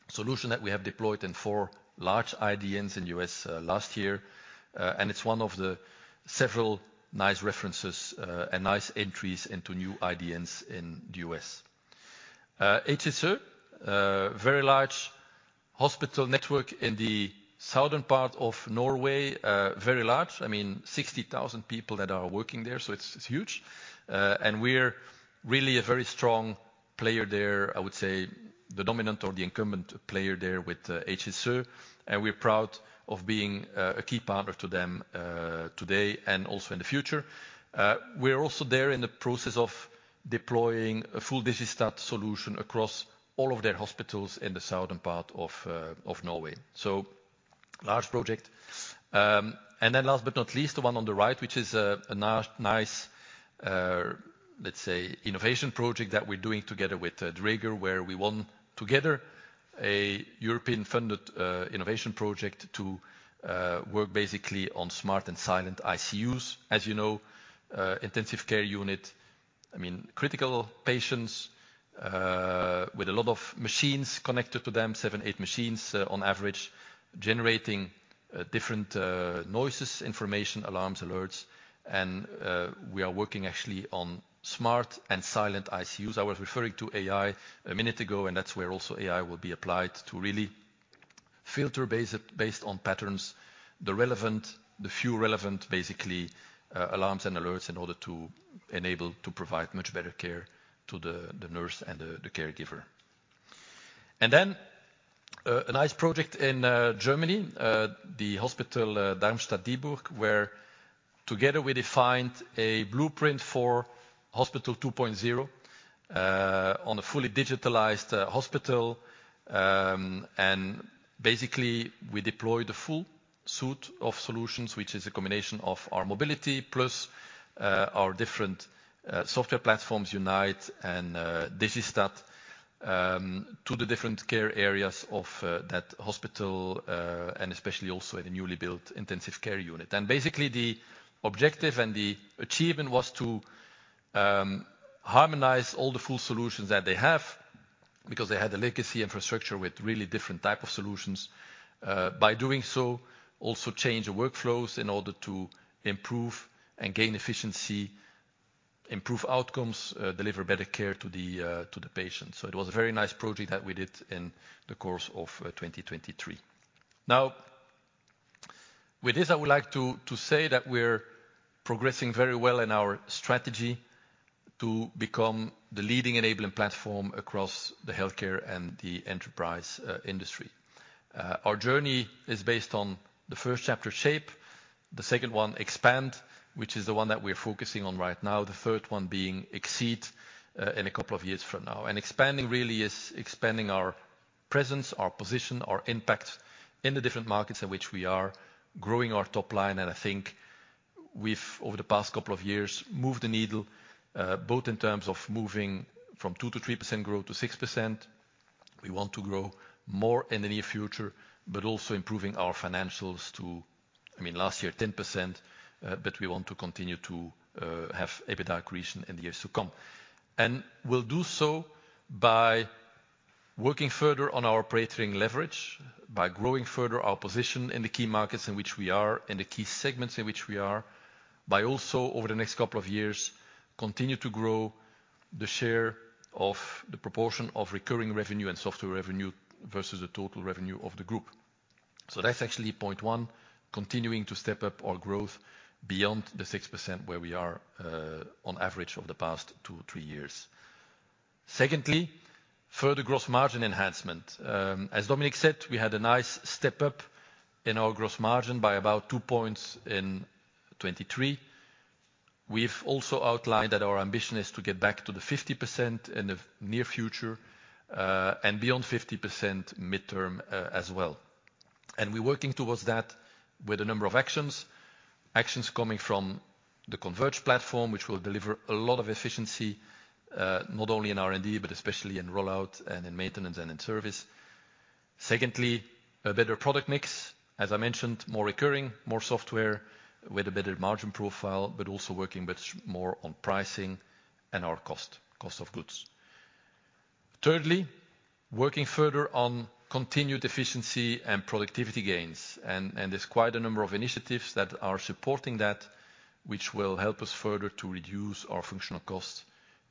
solution that we have deployed in four large IDNs in U.S., last year, and it's one of the several nice references, and nice entries into new IDNs in the U.S. HSR, a very large hospital network in the southern part of Norway, very large, I mean, 60,000 people that are working there, so it's, it's huge. And we're really a very strong player there, I would say the dominant or the incumbent player there with HSR, and we're proud of being a key partner to them today, and also in the future. We're also there in the process of deploying a full Digistat solution across all of their hospitals in the southern part of Norway. So large project. And then last but not least, the one on the right, which is, a nice, let's say, innovation project that we're doing together with, Dräger, where we won together a European-funded, innovation project to, work basically on smart and silent ICUs. As you know, intensive care unit, I mean, critical patients, with a lot of machines connected to them, seven, eight machines, on average, generating, different, noises, information, alarms, alerts. And, we are working actually on smart and silent ICUs. I was referring to AI a minute ago, and that's where also AI will be applied to really filter based on patterns, the relevant, the few relevant, basically, alarms and alerts in order to enable to provide much better care to the, the nurse and the, the caregiver. And then, a nice project in Germany, the hospital Darmstadt Dieburg, where together, we defined a blueprint for Hospital 2.0 on a fully digitalized hospital. And basically, we deployed a full suite of solutions, which is a combination of our mobility plus our different software platforms, Unite and Digistat, to the different care areas of that hospital, and especially also in the newly built intensive care unit. And basically, the objective and the achievement was to harmonize all the full solutions that they have, because they had a legacy infrastructure with really different type of solutions. By doing so, also change the workflows in order to improve and gain efficiency, improve outcomes, deliver better care to the to the patient. So it was a very nice project that we did in the course of 2023. Now, with this, I would like to say that we're progressing very well in our strategy to become the leading enabling platform across the healthcare and the enterprise industry. Our journey is based on the first chapter, Shape, the second one, Expand, which is the one that we're focusing on right now, the third one being Exceed in a couple of years from now. And expanding really is expanding our presence, our position, our impact in the different markets in which we are growing our top line. And I think we've, over the past couple of years, moved the needle both in terms of moving from 2%-3% growth to 6%. We want to grow more in the near future, but also improving our financials to, I mean, last year, 10%, but we want to continue to have EBITDA creation in the years to come. And we'll do so by working further on our operating leverage, by growing further our position in the key markets in which we are, in the key segments in which we are, by also, over the next couple of years, continue to grow the share of the proportion of recurring revenue and software revenue versus the total revenue of the group. So that's actually point one, continuing to step up our growth beyond the 6% where we are, on average, over the past two to three years. Secondly, further gross margin enhancement. As Dominik said, we had a nice step up in our gross margin by about 2 points in 2023. We've also outlined that our ambition is to get back to the 50% in the near future, and beyond 50% midterm, as well. And we're working towards that with a number of actions. Actions coming from the Converge platform, which will deliver a lot of efficiency, not only in R&D, but especially in rollout and in maintenance and in service. Secondly, a better product mix. As I mentioned, more recurring, more software with a better margin profile, but also working with more on pricing and our cost, cost of goods. Thirdly, working further on continued efficiency and productivity gains, and there's quite a number of initiatives that are supporting that, which will help us further to reduce our functional costs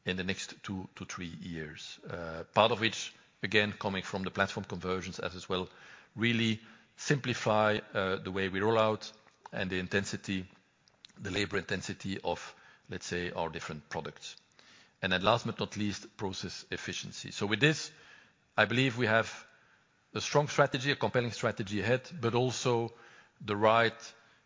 in the next two to three years. Part of which, again, coming from the platform conversions, as well, really simplify the way we roll out and the intensity, the labor intensity of, let's say, our different products. And then last but not least, process efficiency. So with this, I believe we have a strong strategy, a compelling strategy ahead, but also the right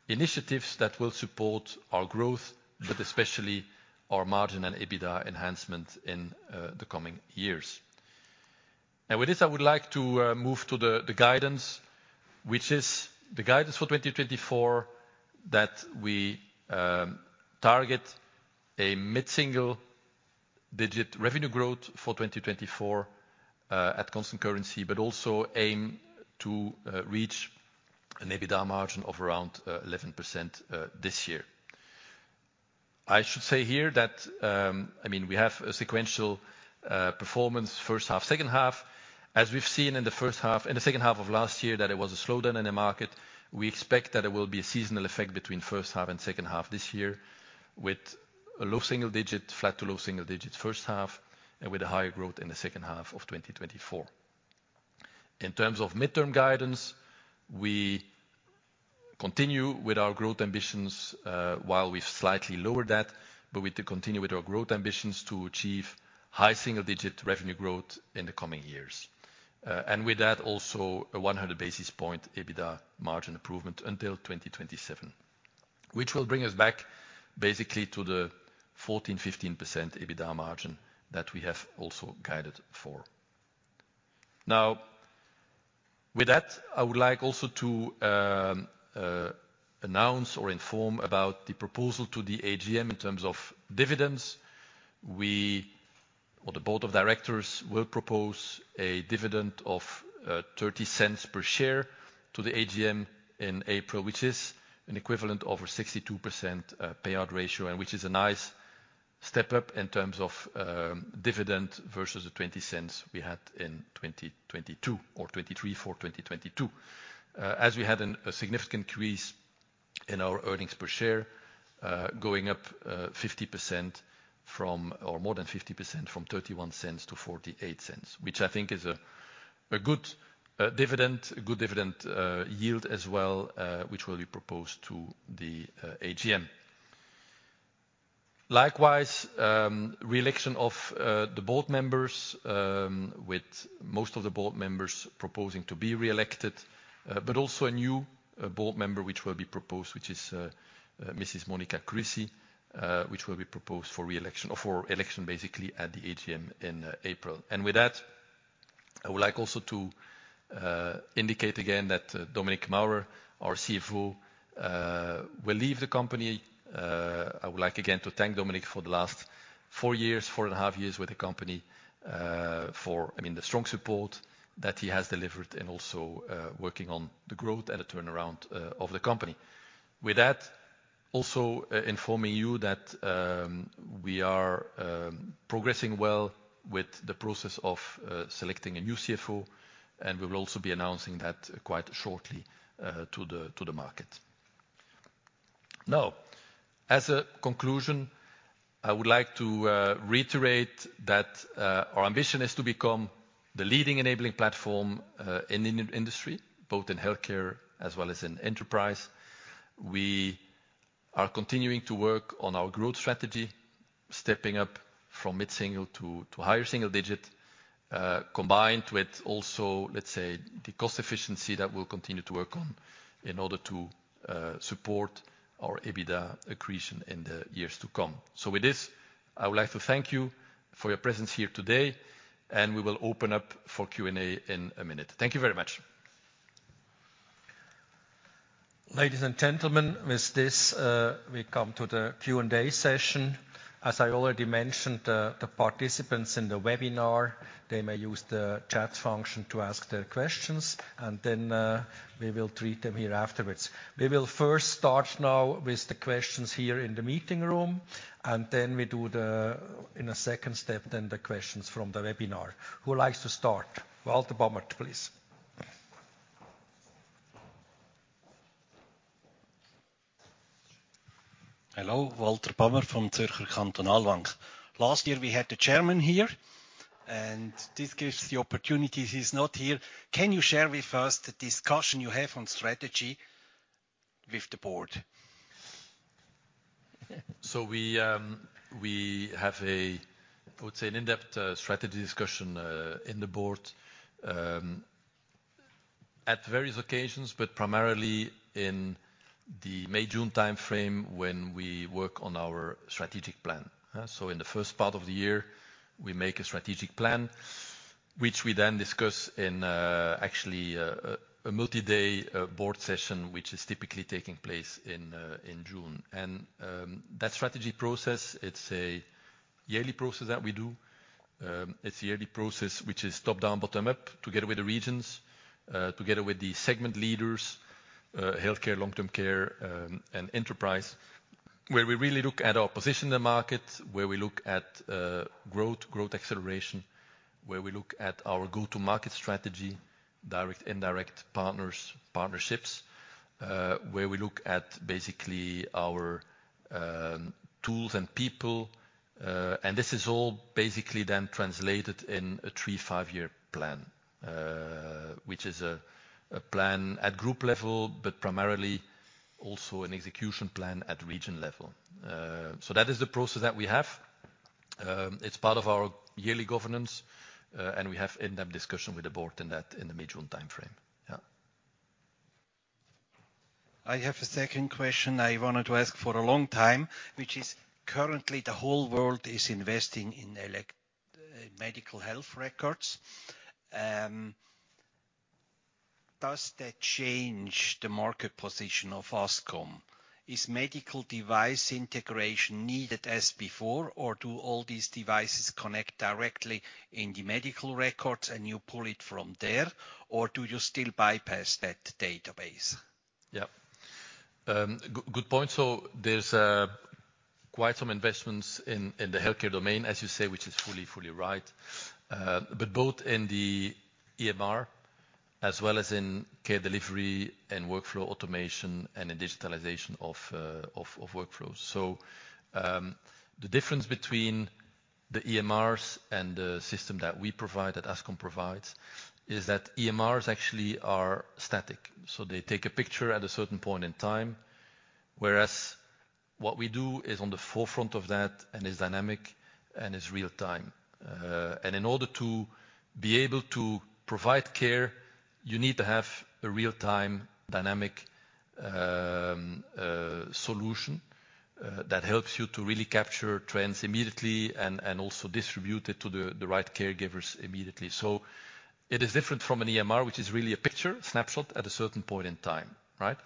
initiatives that will support our growth, but especially our margin and EBITDA enhancement in the coming years. And with this, I would like to move to the guidance, which is the guidance for 2024, that we target a mid-single-digit revenue growth for 2024 at constant currency, but also aim to reach an EBITDA margin of around 11% this year. I should say here that, I mean, we have a sequential performance, first half, second half. As we've seen in the first half, in the second half of last year, that there was a slowdown in the market. We expect that there will be a seasonal effect between first half and second half this year, with a low single digit, flat to low single digit first half and with a higher growth in the second half of 2024. In terms of midterm guidance, we continue with our growth ambitions, while we've slightly lowered that, but we do continue with our growth ambitions to achieve high single-digit revenue growth in the coming years. And with that, also a 100 basis point EBITDA margin improvement until 2027, which will bring us back basically to the 14%-15% EBITDA margin that we have also guided for. Now, with that, I would like also to announce or inform about the proposal to the AGM in terms of dividends. We, or the board of directors, will propose a dividend of 0.30 per share to the AGM in April, which is an equivalent of a 62% payout ratio, and which is a nice step up in terms of dividend versus the 0.20 we had in 2022 or 2023 for 2022. As we had a significant increase in our earnings per share, going up 50% or more than 50% from 0.31 to 0.48, which I think is a good dividend, a good dividend yield as well, which will be proposed to the AGM. Likewise, re-election of the board members with most of the board members proposing to be re-elected, but also a new board member, which will be proposed, which is Mrs. Monica Krüsi, which will be proposed for re-election or for election, basically, at the AGM in April. And with that, I would like also to indicate again that Dominik Maurer, our CFO, will leave the company. I would like, again, to thank Dominik for the last four years, four and a half years with the company, for, I mean, the strong support that he has delivered and also working on the growth and the turnaround of the company. With that, also, informing you that, we are, progressing well with the process of, selecting a new CFO, and we will also be announcing that quite shortly, to the, to the market. Now, as a conclusion, I would like to, reiterate that, our ambition is to become the leading enabling platform, in the industry, both in healthcare as well as in enterprise. We are continuing to work on our growth strategy, stepping up from mid-single to, to higher single digit, combined with also, let's say, the cost efficiency that we'll continue to work on in order to, support our EBITDA accretion in the years to come. So with this, I would like to thank you for your presence here today, and we will open up for Q&A in a minute. Thank you very much. Ladies and gentlemen, with this, we come to the Q&A session. As I already mentioned, the participants in the webinar, they may use the chat function to ask their questions, and then, we will treat them here afterwards. We will first start now with the questions here in the meeting room, and then we do the, in a second step, then the questions from the webinar. Who likes to start? Walter Bamert, please. Hello, Walter Bamert from Zürcher Kantonalbank. Last year, we had the chairman here, and this gives the opportunity, he's not here. Can you share with us the discussion you have on strategy with the board? So we have a, I would say, an in-depth strategy discussion in the board at various occasions, but primarily in the May-June timeframe when we work on our strategic plan. So in the first part of the year, we make a strategic plan, which we then discuss in, actually, a multi-day board session, which is typically taking place in June. And that strategy process, it's a yearly process that we do. It's a yearly process, which is top-down, bottom-up, together with the regions, together with the segment leaders, healthcare, long-term care, and enterprise, where we really look at our position in the market, where we look at growth, growth acceleration, where we look at our go-to-market strategy, direct, indirect, partners, partnerships. Where we look at basically our tools and people, and this is all basically then translated in a three to five year plan, which is a plan at group level, but primarily also an execution plan at region level. So that is the process that we have. It's part of our yearly governance, and we have in-depth discussion with the board in that, in the May-June timeframe. Yeah. I have a second question I wanted to ask for a long time, which is, currently, the whole world is investing in electronic medical records. Does that change the market position of Ascom? Is medical device integration needed as before, or do all these devices connect directly in the medical records, and you pull it from there, or do you still bypass that database? Yeah. Good, good point. So there's quite some investments in the healthcare domain, as you say, which is fully right. But both in the EMR, as well as in care delivery and workflow automation, and in digitalization of workflows. So, the difference between the EMRs and the system that we provide, that Ascom provides, is that EMRs actually are static, so they take a picture at a certain point in time, whereas what we do is on the forefront of that, and is dynamic and is real time. And in order to be able to provide care, you need to have a real time dynamic solution that helps you to really capture trends immediately and also distribute it to the right caregivers immediately. So it is different from an EMR, which is really a picture, snapshot at a certain point in time, right?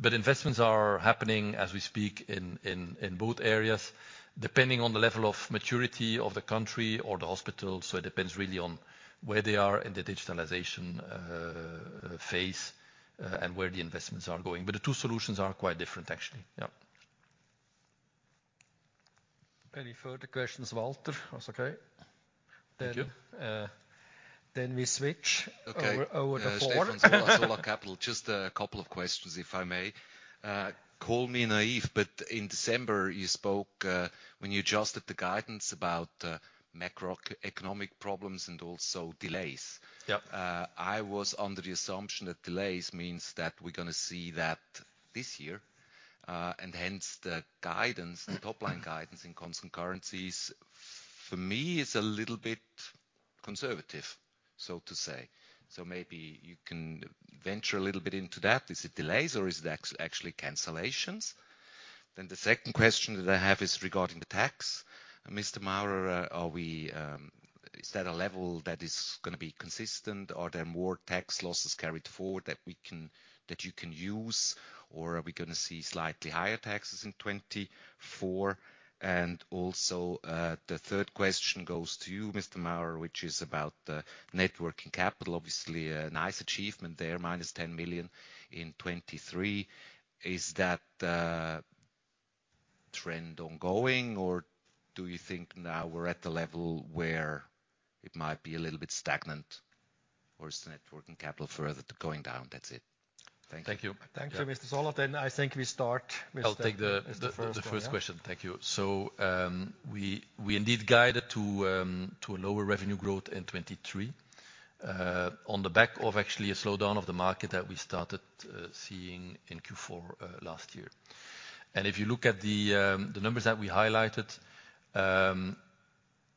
But investments are happening as we speak in both areas, depending on the level of maturity of the country or the hospital. So it depends really on where they are in the digitalization phase, and where the investments are going. But the two solutions are quite different, actually. Yeah. Any further questions, Walter? That's okay. Thank you. Then we switch- Okay. Over, over the floor. Stefan from Solara Capital. Just a couple of questions, if I may. Call me naive, but in December, you spoke when you adjusted the guidance about macroeconomic problems and also delays. Yep. I was under the assumption that delays means that we're gonna see that this year, and hence the guidance, the top line guidance in constant currencies, for me, is a little bit conservative, so to say. So maybe you can venture a little bit into that. Is it delays or is it actually cancellations? Then the second question that I have is regarding the tax. Mr. Maurer, are we, is that a level that is gonna be consistent, or are there more tax losses carried forward that we can-- that you can use? Or are we gonna see slightly higher taxes in 2024? And also, the third question goes to you, Mr. Maurer, which is about the net working capital. Obviously, a nice achievement there, -10 million in 2023. Is that trend ongoing, or do you think now we're at the level where it might be a little bit stagnant, or is the net working capital further to going down? That's it. Thank you. Thank you. Thank you, Mr. Solara. I think we start with- I'll take the first question. Thank you. So, we indeed guided to a lower revenue growth in 2023, on the back of actually a slowdown of the market that we started seeing in Q4 last year. And if you look at the numbers that we highlighted,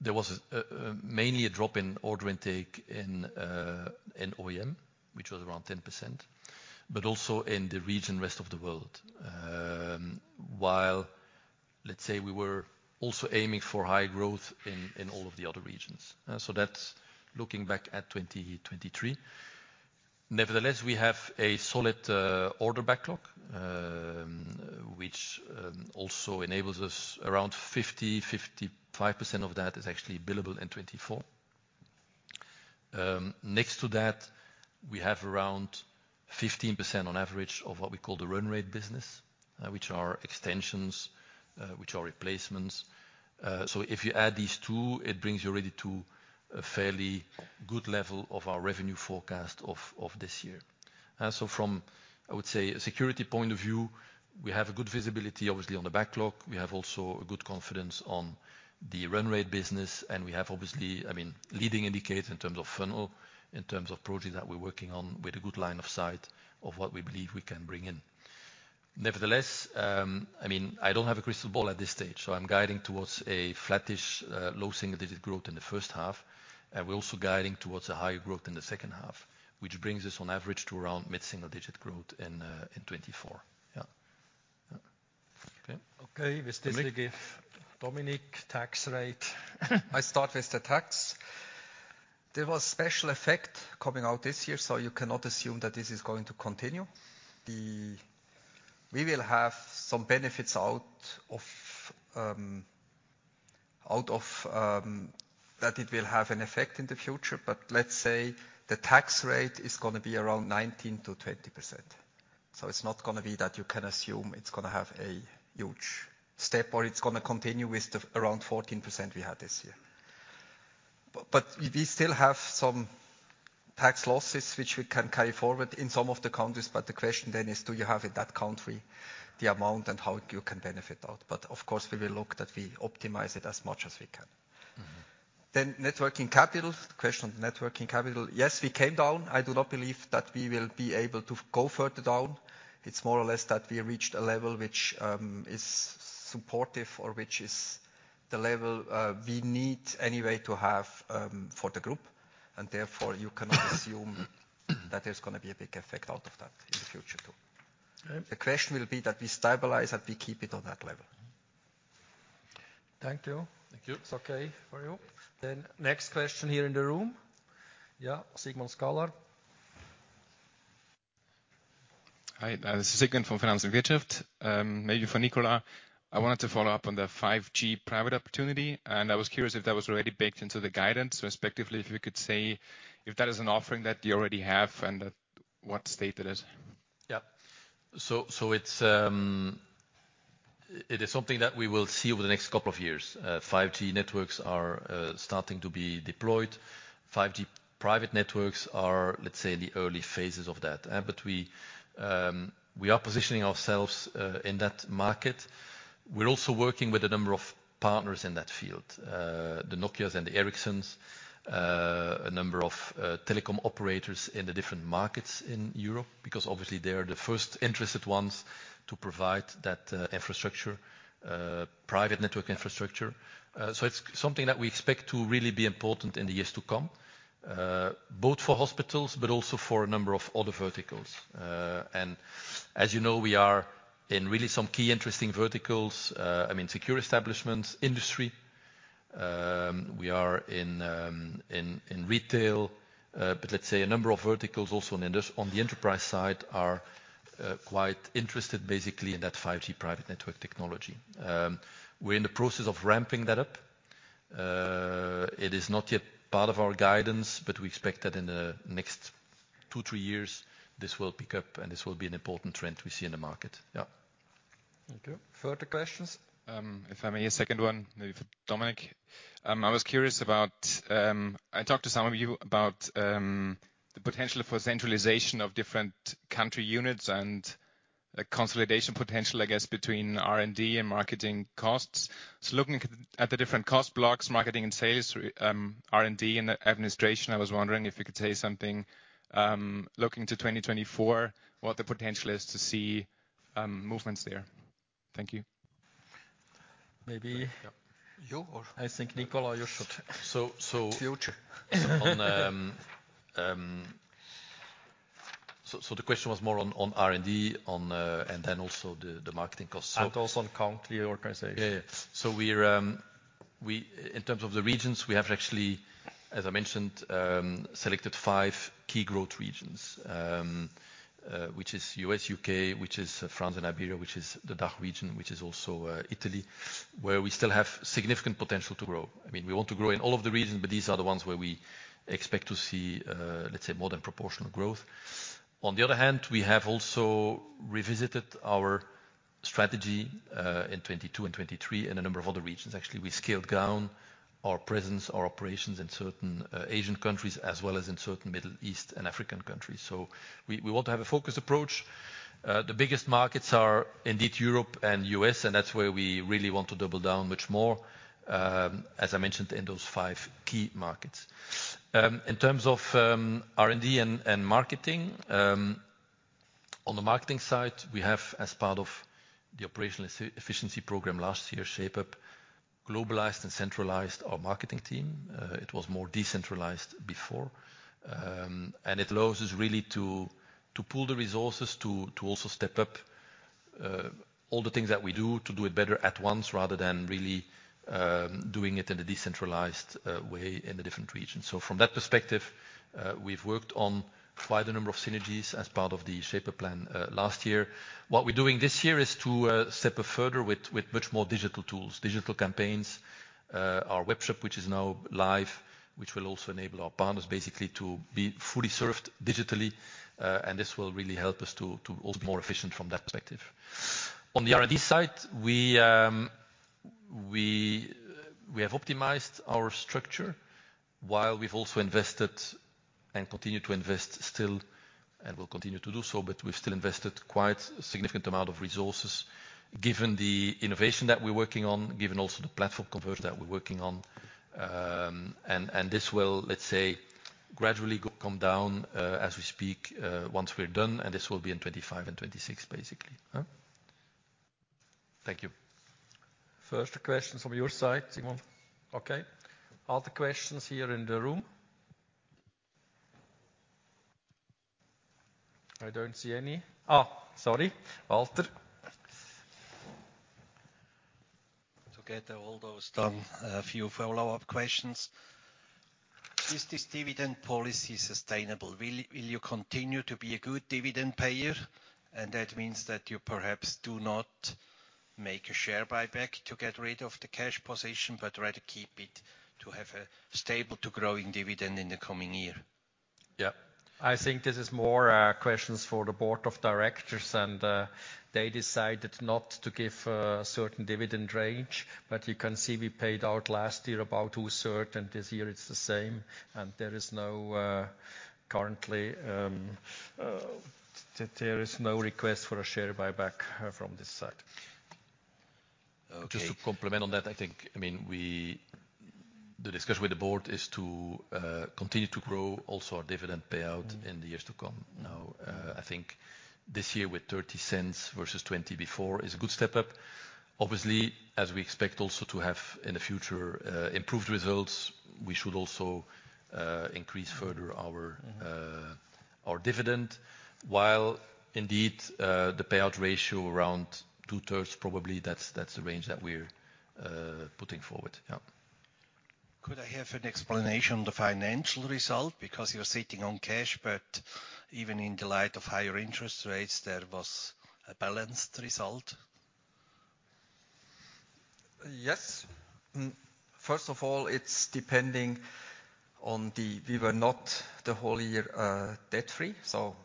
there was mainly a drop in order intake in OEM, which was around 10%, but also in the region, rest of the world. While, let's say, we were also aiming for high growth in all of the other regions. So that's looking back at 2023. Nevertheless, we have a solid order backlog, which also enables us around 50%-55% of that is actually billable in 2024. Next to that, we have around 15% on average, of what we call the run rate business, which are extensions, which are replacements. So if you add these two, it brings you really to a fairly good level of our revenue forecast of, of this year. So from, I would say, a security point of view, we have a good visibility, obviously, on the backlog. We have also a good confidence on the run rate business, and we have, obviously, I mean, leading indicators in terms of funnel, in terms of projects that we're working on, with a good line of sight of what we believe we can bring in. Nevertheless, I mean, I don't have a crystal ball at this stage, so I'm guiding towards a flattish, low single-digit growth in the first half. We're also guiding towards a higher growth in the second half, which brings us on average to around mid-single digit growth in 2024. Yeah. Yeah. Okay. Okay, this will give Dominik tax rate. I start with the tax. There was special effect coming out this year, so you cannot assume that this is going to continue. We will have some benefits out of, out of, that it will have an effect in the future, but let's say the tax rate is gonna be around 19%-20%. So it's not gonna be that you can assume it's gonna have a huge step, or it's gonna continue with the around 14% we had this year. But, but we still have some tax losses which we can carry forward in some of the countries, but the question then is, do you have in that country, the amount and how you can benefit out? But of course, we will look that we optimize it as much as we can. Mm-hmm. Then net working capital, the question on net working capital, yes, we came down. I do not believe that we will be able to go further down. It's more or less that we reached a level which is supportive or which is the level we need anyway to have for the group, and therefore, you cannot assume that there's gonna be a big effect out of that in the future too. Okay. The question will be that we stabilize and we keep it on that level. Thank you. Thank you. It's okay for you. Then next question here in the room. Yeah, Siegmund Skalar. Hi, this is Siegmund from Finanz und Wirtschaft. Maybe for Nicolas, I wanted to follow up on the 5G private opportunity, and I was curious if that was already baked into the guidance, respectively, if you could say if that is an offering that you already have and at what state it is? Yeah. So it's something that we will see over the next couple of years. 5G networks are starting to be deployed. 5G private networks are, let's say, in the early phases of that. But we are positioning ourselves in that market. We're also working with a number of partners in that field, the Nokias and the Ericssons, a number of telecom operators in the different markets in Europe, because obviously they are the first interested ones to provide that infrastructure, private network infrastructure. So it's something that we expect to really be important in the years to come, both for hospitals, but also for a number of other verticals. And as you know, we are in really some key interesting verticals. I mean, secure establishments, industry, we are in retail, but let's say a number of verticals also on the enterprise side are quite interested, basically, in that 5G private network technology. We're in the process of ramping that up. It is not yet part of our guidance, but we expect that in the next two to three years, this will pick up, and this will be an important trend we see in the market. Yeah. Thank you. Further questions? If I may, a second one, maybe for Dominik. I was curious about... I talked to some of you about the potential for centralization of different country units and the consolidation potential, I guess, between R&D and marketing costs. So looking at the different cost blocks, marketing and sales, R&D, and the administration, I was wondering if you could say something, looking to 2024, what the potential is to see movements there? Thank you. Maybe- You or? I think Nicolas, you should. So, so- Future. So the question was more on R&D and then also the marketing costs. Also on country organization. Yeah, yeah. So we're in terms of the regions, we have actually, as I mentioned, selected five key growth regions, which is U.S., U.K., which is France and Iberia, which is the DACH region, which is also Italy, where we still have significant potential to grow. I mean, we want to grow in all of the regions, but these are the ones where we expect to see, let's say, more than proportional growth. On the other hand, we have also revisited our strategy in 2022 and 2023 in a number of other regions. Actually, we scaled down our presence, our operations in certain Asian countries, as well as in certain Middle East and African countries. So we want to have a focused approach. The biggest markets are indeed Europe and U.S., and that's where we really want to double down much more, as I mentioned, in those five key markets. In terms of R&D and marketing, on the marketing side, we have, as part of the operational efficiency program last year, Shape Up, globalized and centralized our marketing team. It was more decentralized before. It allows us really to pool the resources, to also step up all the things that we do, to do it better at once, rather than really doing it in a decentralized way in the different regions. So from that perspective, we've worked on quite a number of synergies as part of the Shape Up plan last year. What we're doing this year is to step up further with much more digital tools, digital campaigns, our webshop, which is now live, which will also enable our partners basically to be fully served digitally, and this will really help us to also be more efficient from that perspective. On the R&D side, we have optimized our structure while we've also invested and continue to invest still, and will continue to do so, but we've still invested quite a significant amount of resources given the innovation that we're working on, given also the platform conversion that we're working on. And this will, let's say, gradually come down as we speak once we're done, and this will be in 2025 and 2026, basically. Thank you. Further questions from your side, Simon? Okay. Other questions here in the room? I don't see any. Ah, sorry! Walter. To get all those done, a few follow-up questions. Is this dividend policy sustainable? Will you continue to be a good dividend payer? And that means that you perhaps do not make a share buyback to get rid of the cash position, but rather keep it to have a stable to growing dividend in the coming year. Yeah. I think this is more, questions for the board of directors, and they decided not to give a certain dividend range, but you can see we paid out last year about two-thirds, and this year it's the same, and there is no currently, there is no request for a share buyback, from this side. Okay. Just to comment on that, I think, I mean, the discussion with the board is to continue to grow also our dividend payout in the years to come. Now, I think this year with 0.30 versus 0.20 before is a good step up. Obviously, as we expect also to have, in the future, improved results, we should also increase further our- Mm-hmm... our dividend, while indeed, the payout ratio around two-thirds, probably that's, that's the range that we're putting forward. Yeah. Could I have an explanation on the financial result? Because you're sitting on cash, but even in the light of higher interest rates, there was a balanced result.... Yes. First of all, it's depending on the—we were not the whole year debt-free, so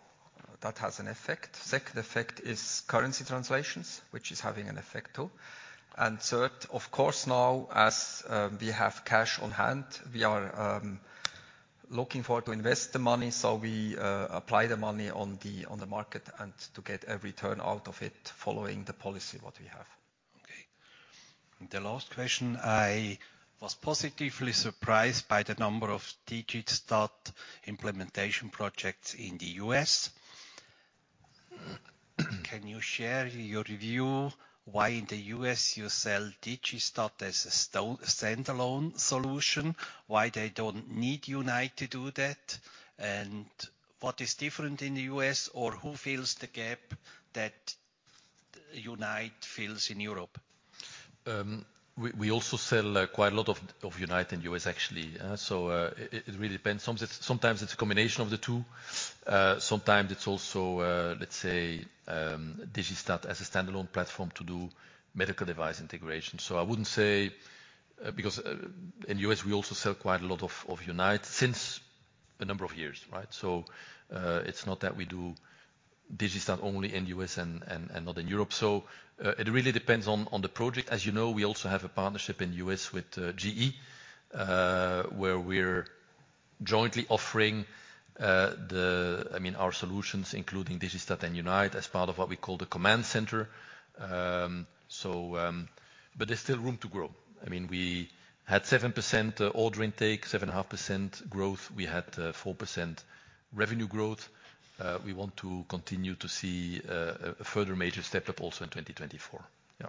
that has an effect. Second effect is currency translations, which is having an effect, too. And third, of course, now as we have cash on hand, we are looking forward to invest the money, so we apply the money on the market and to get a return out of it following the policy what we have. Okay. The last question, I was positively surprised by the number of Digistat implementation projects in the U.S. Can you share your view why in the U.S. you sell Digistat as a standalone solution? Why they don't need Unite to do that, and what is different in the U.S., or who fills the gap that Unite fills in Europe? We also sell quite a lot of Unite in U.S., actually, so it really depends. Sometimes it's a combination of the two. Sometimes it's also let's say Digistat as a standalone platform to do medical device integration. So I wouldn't say... Because in U.S., we also sell quite a lot of Unite since a number of years, right? So it's not that we do Digistat only in U.S. and not in Europe. So it really depends on the project. As you know, we also have a partnership in U.S. with GE where we're jointly offering the... I mean, our solutions, including Digistat and Unite, as part of what we call the command center. So but there's still room to grow. I mean, we had 7% order intake, 7.5% growth. We had 4% revenue growth. We want to continue to see a further major step up also in 2024. Yeah.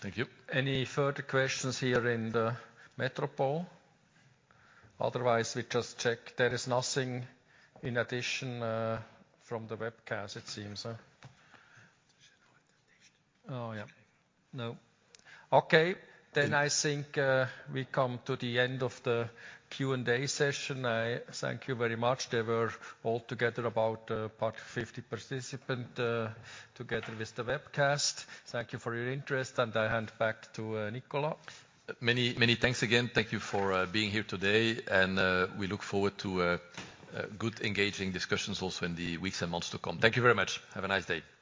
Thank you. Any further questions here in the Metropole? Otherwise, we just check. There is nothing in addition, from the webcast, it seems. Oh, yeah. No. Okay. Yeah. Then I think, we come to the end of the Q&A session. I thank you very much. There were all together about, about 50 participant, together with the webcast. Thank you for your interest, and I hand back to, Nicolas. Many, many thanks again. Thank you for being here today, and we look forward to good, engaging discussions also in the weeks and months to come. Thank you very much. Have a nice day.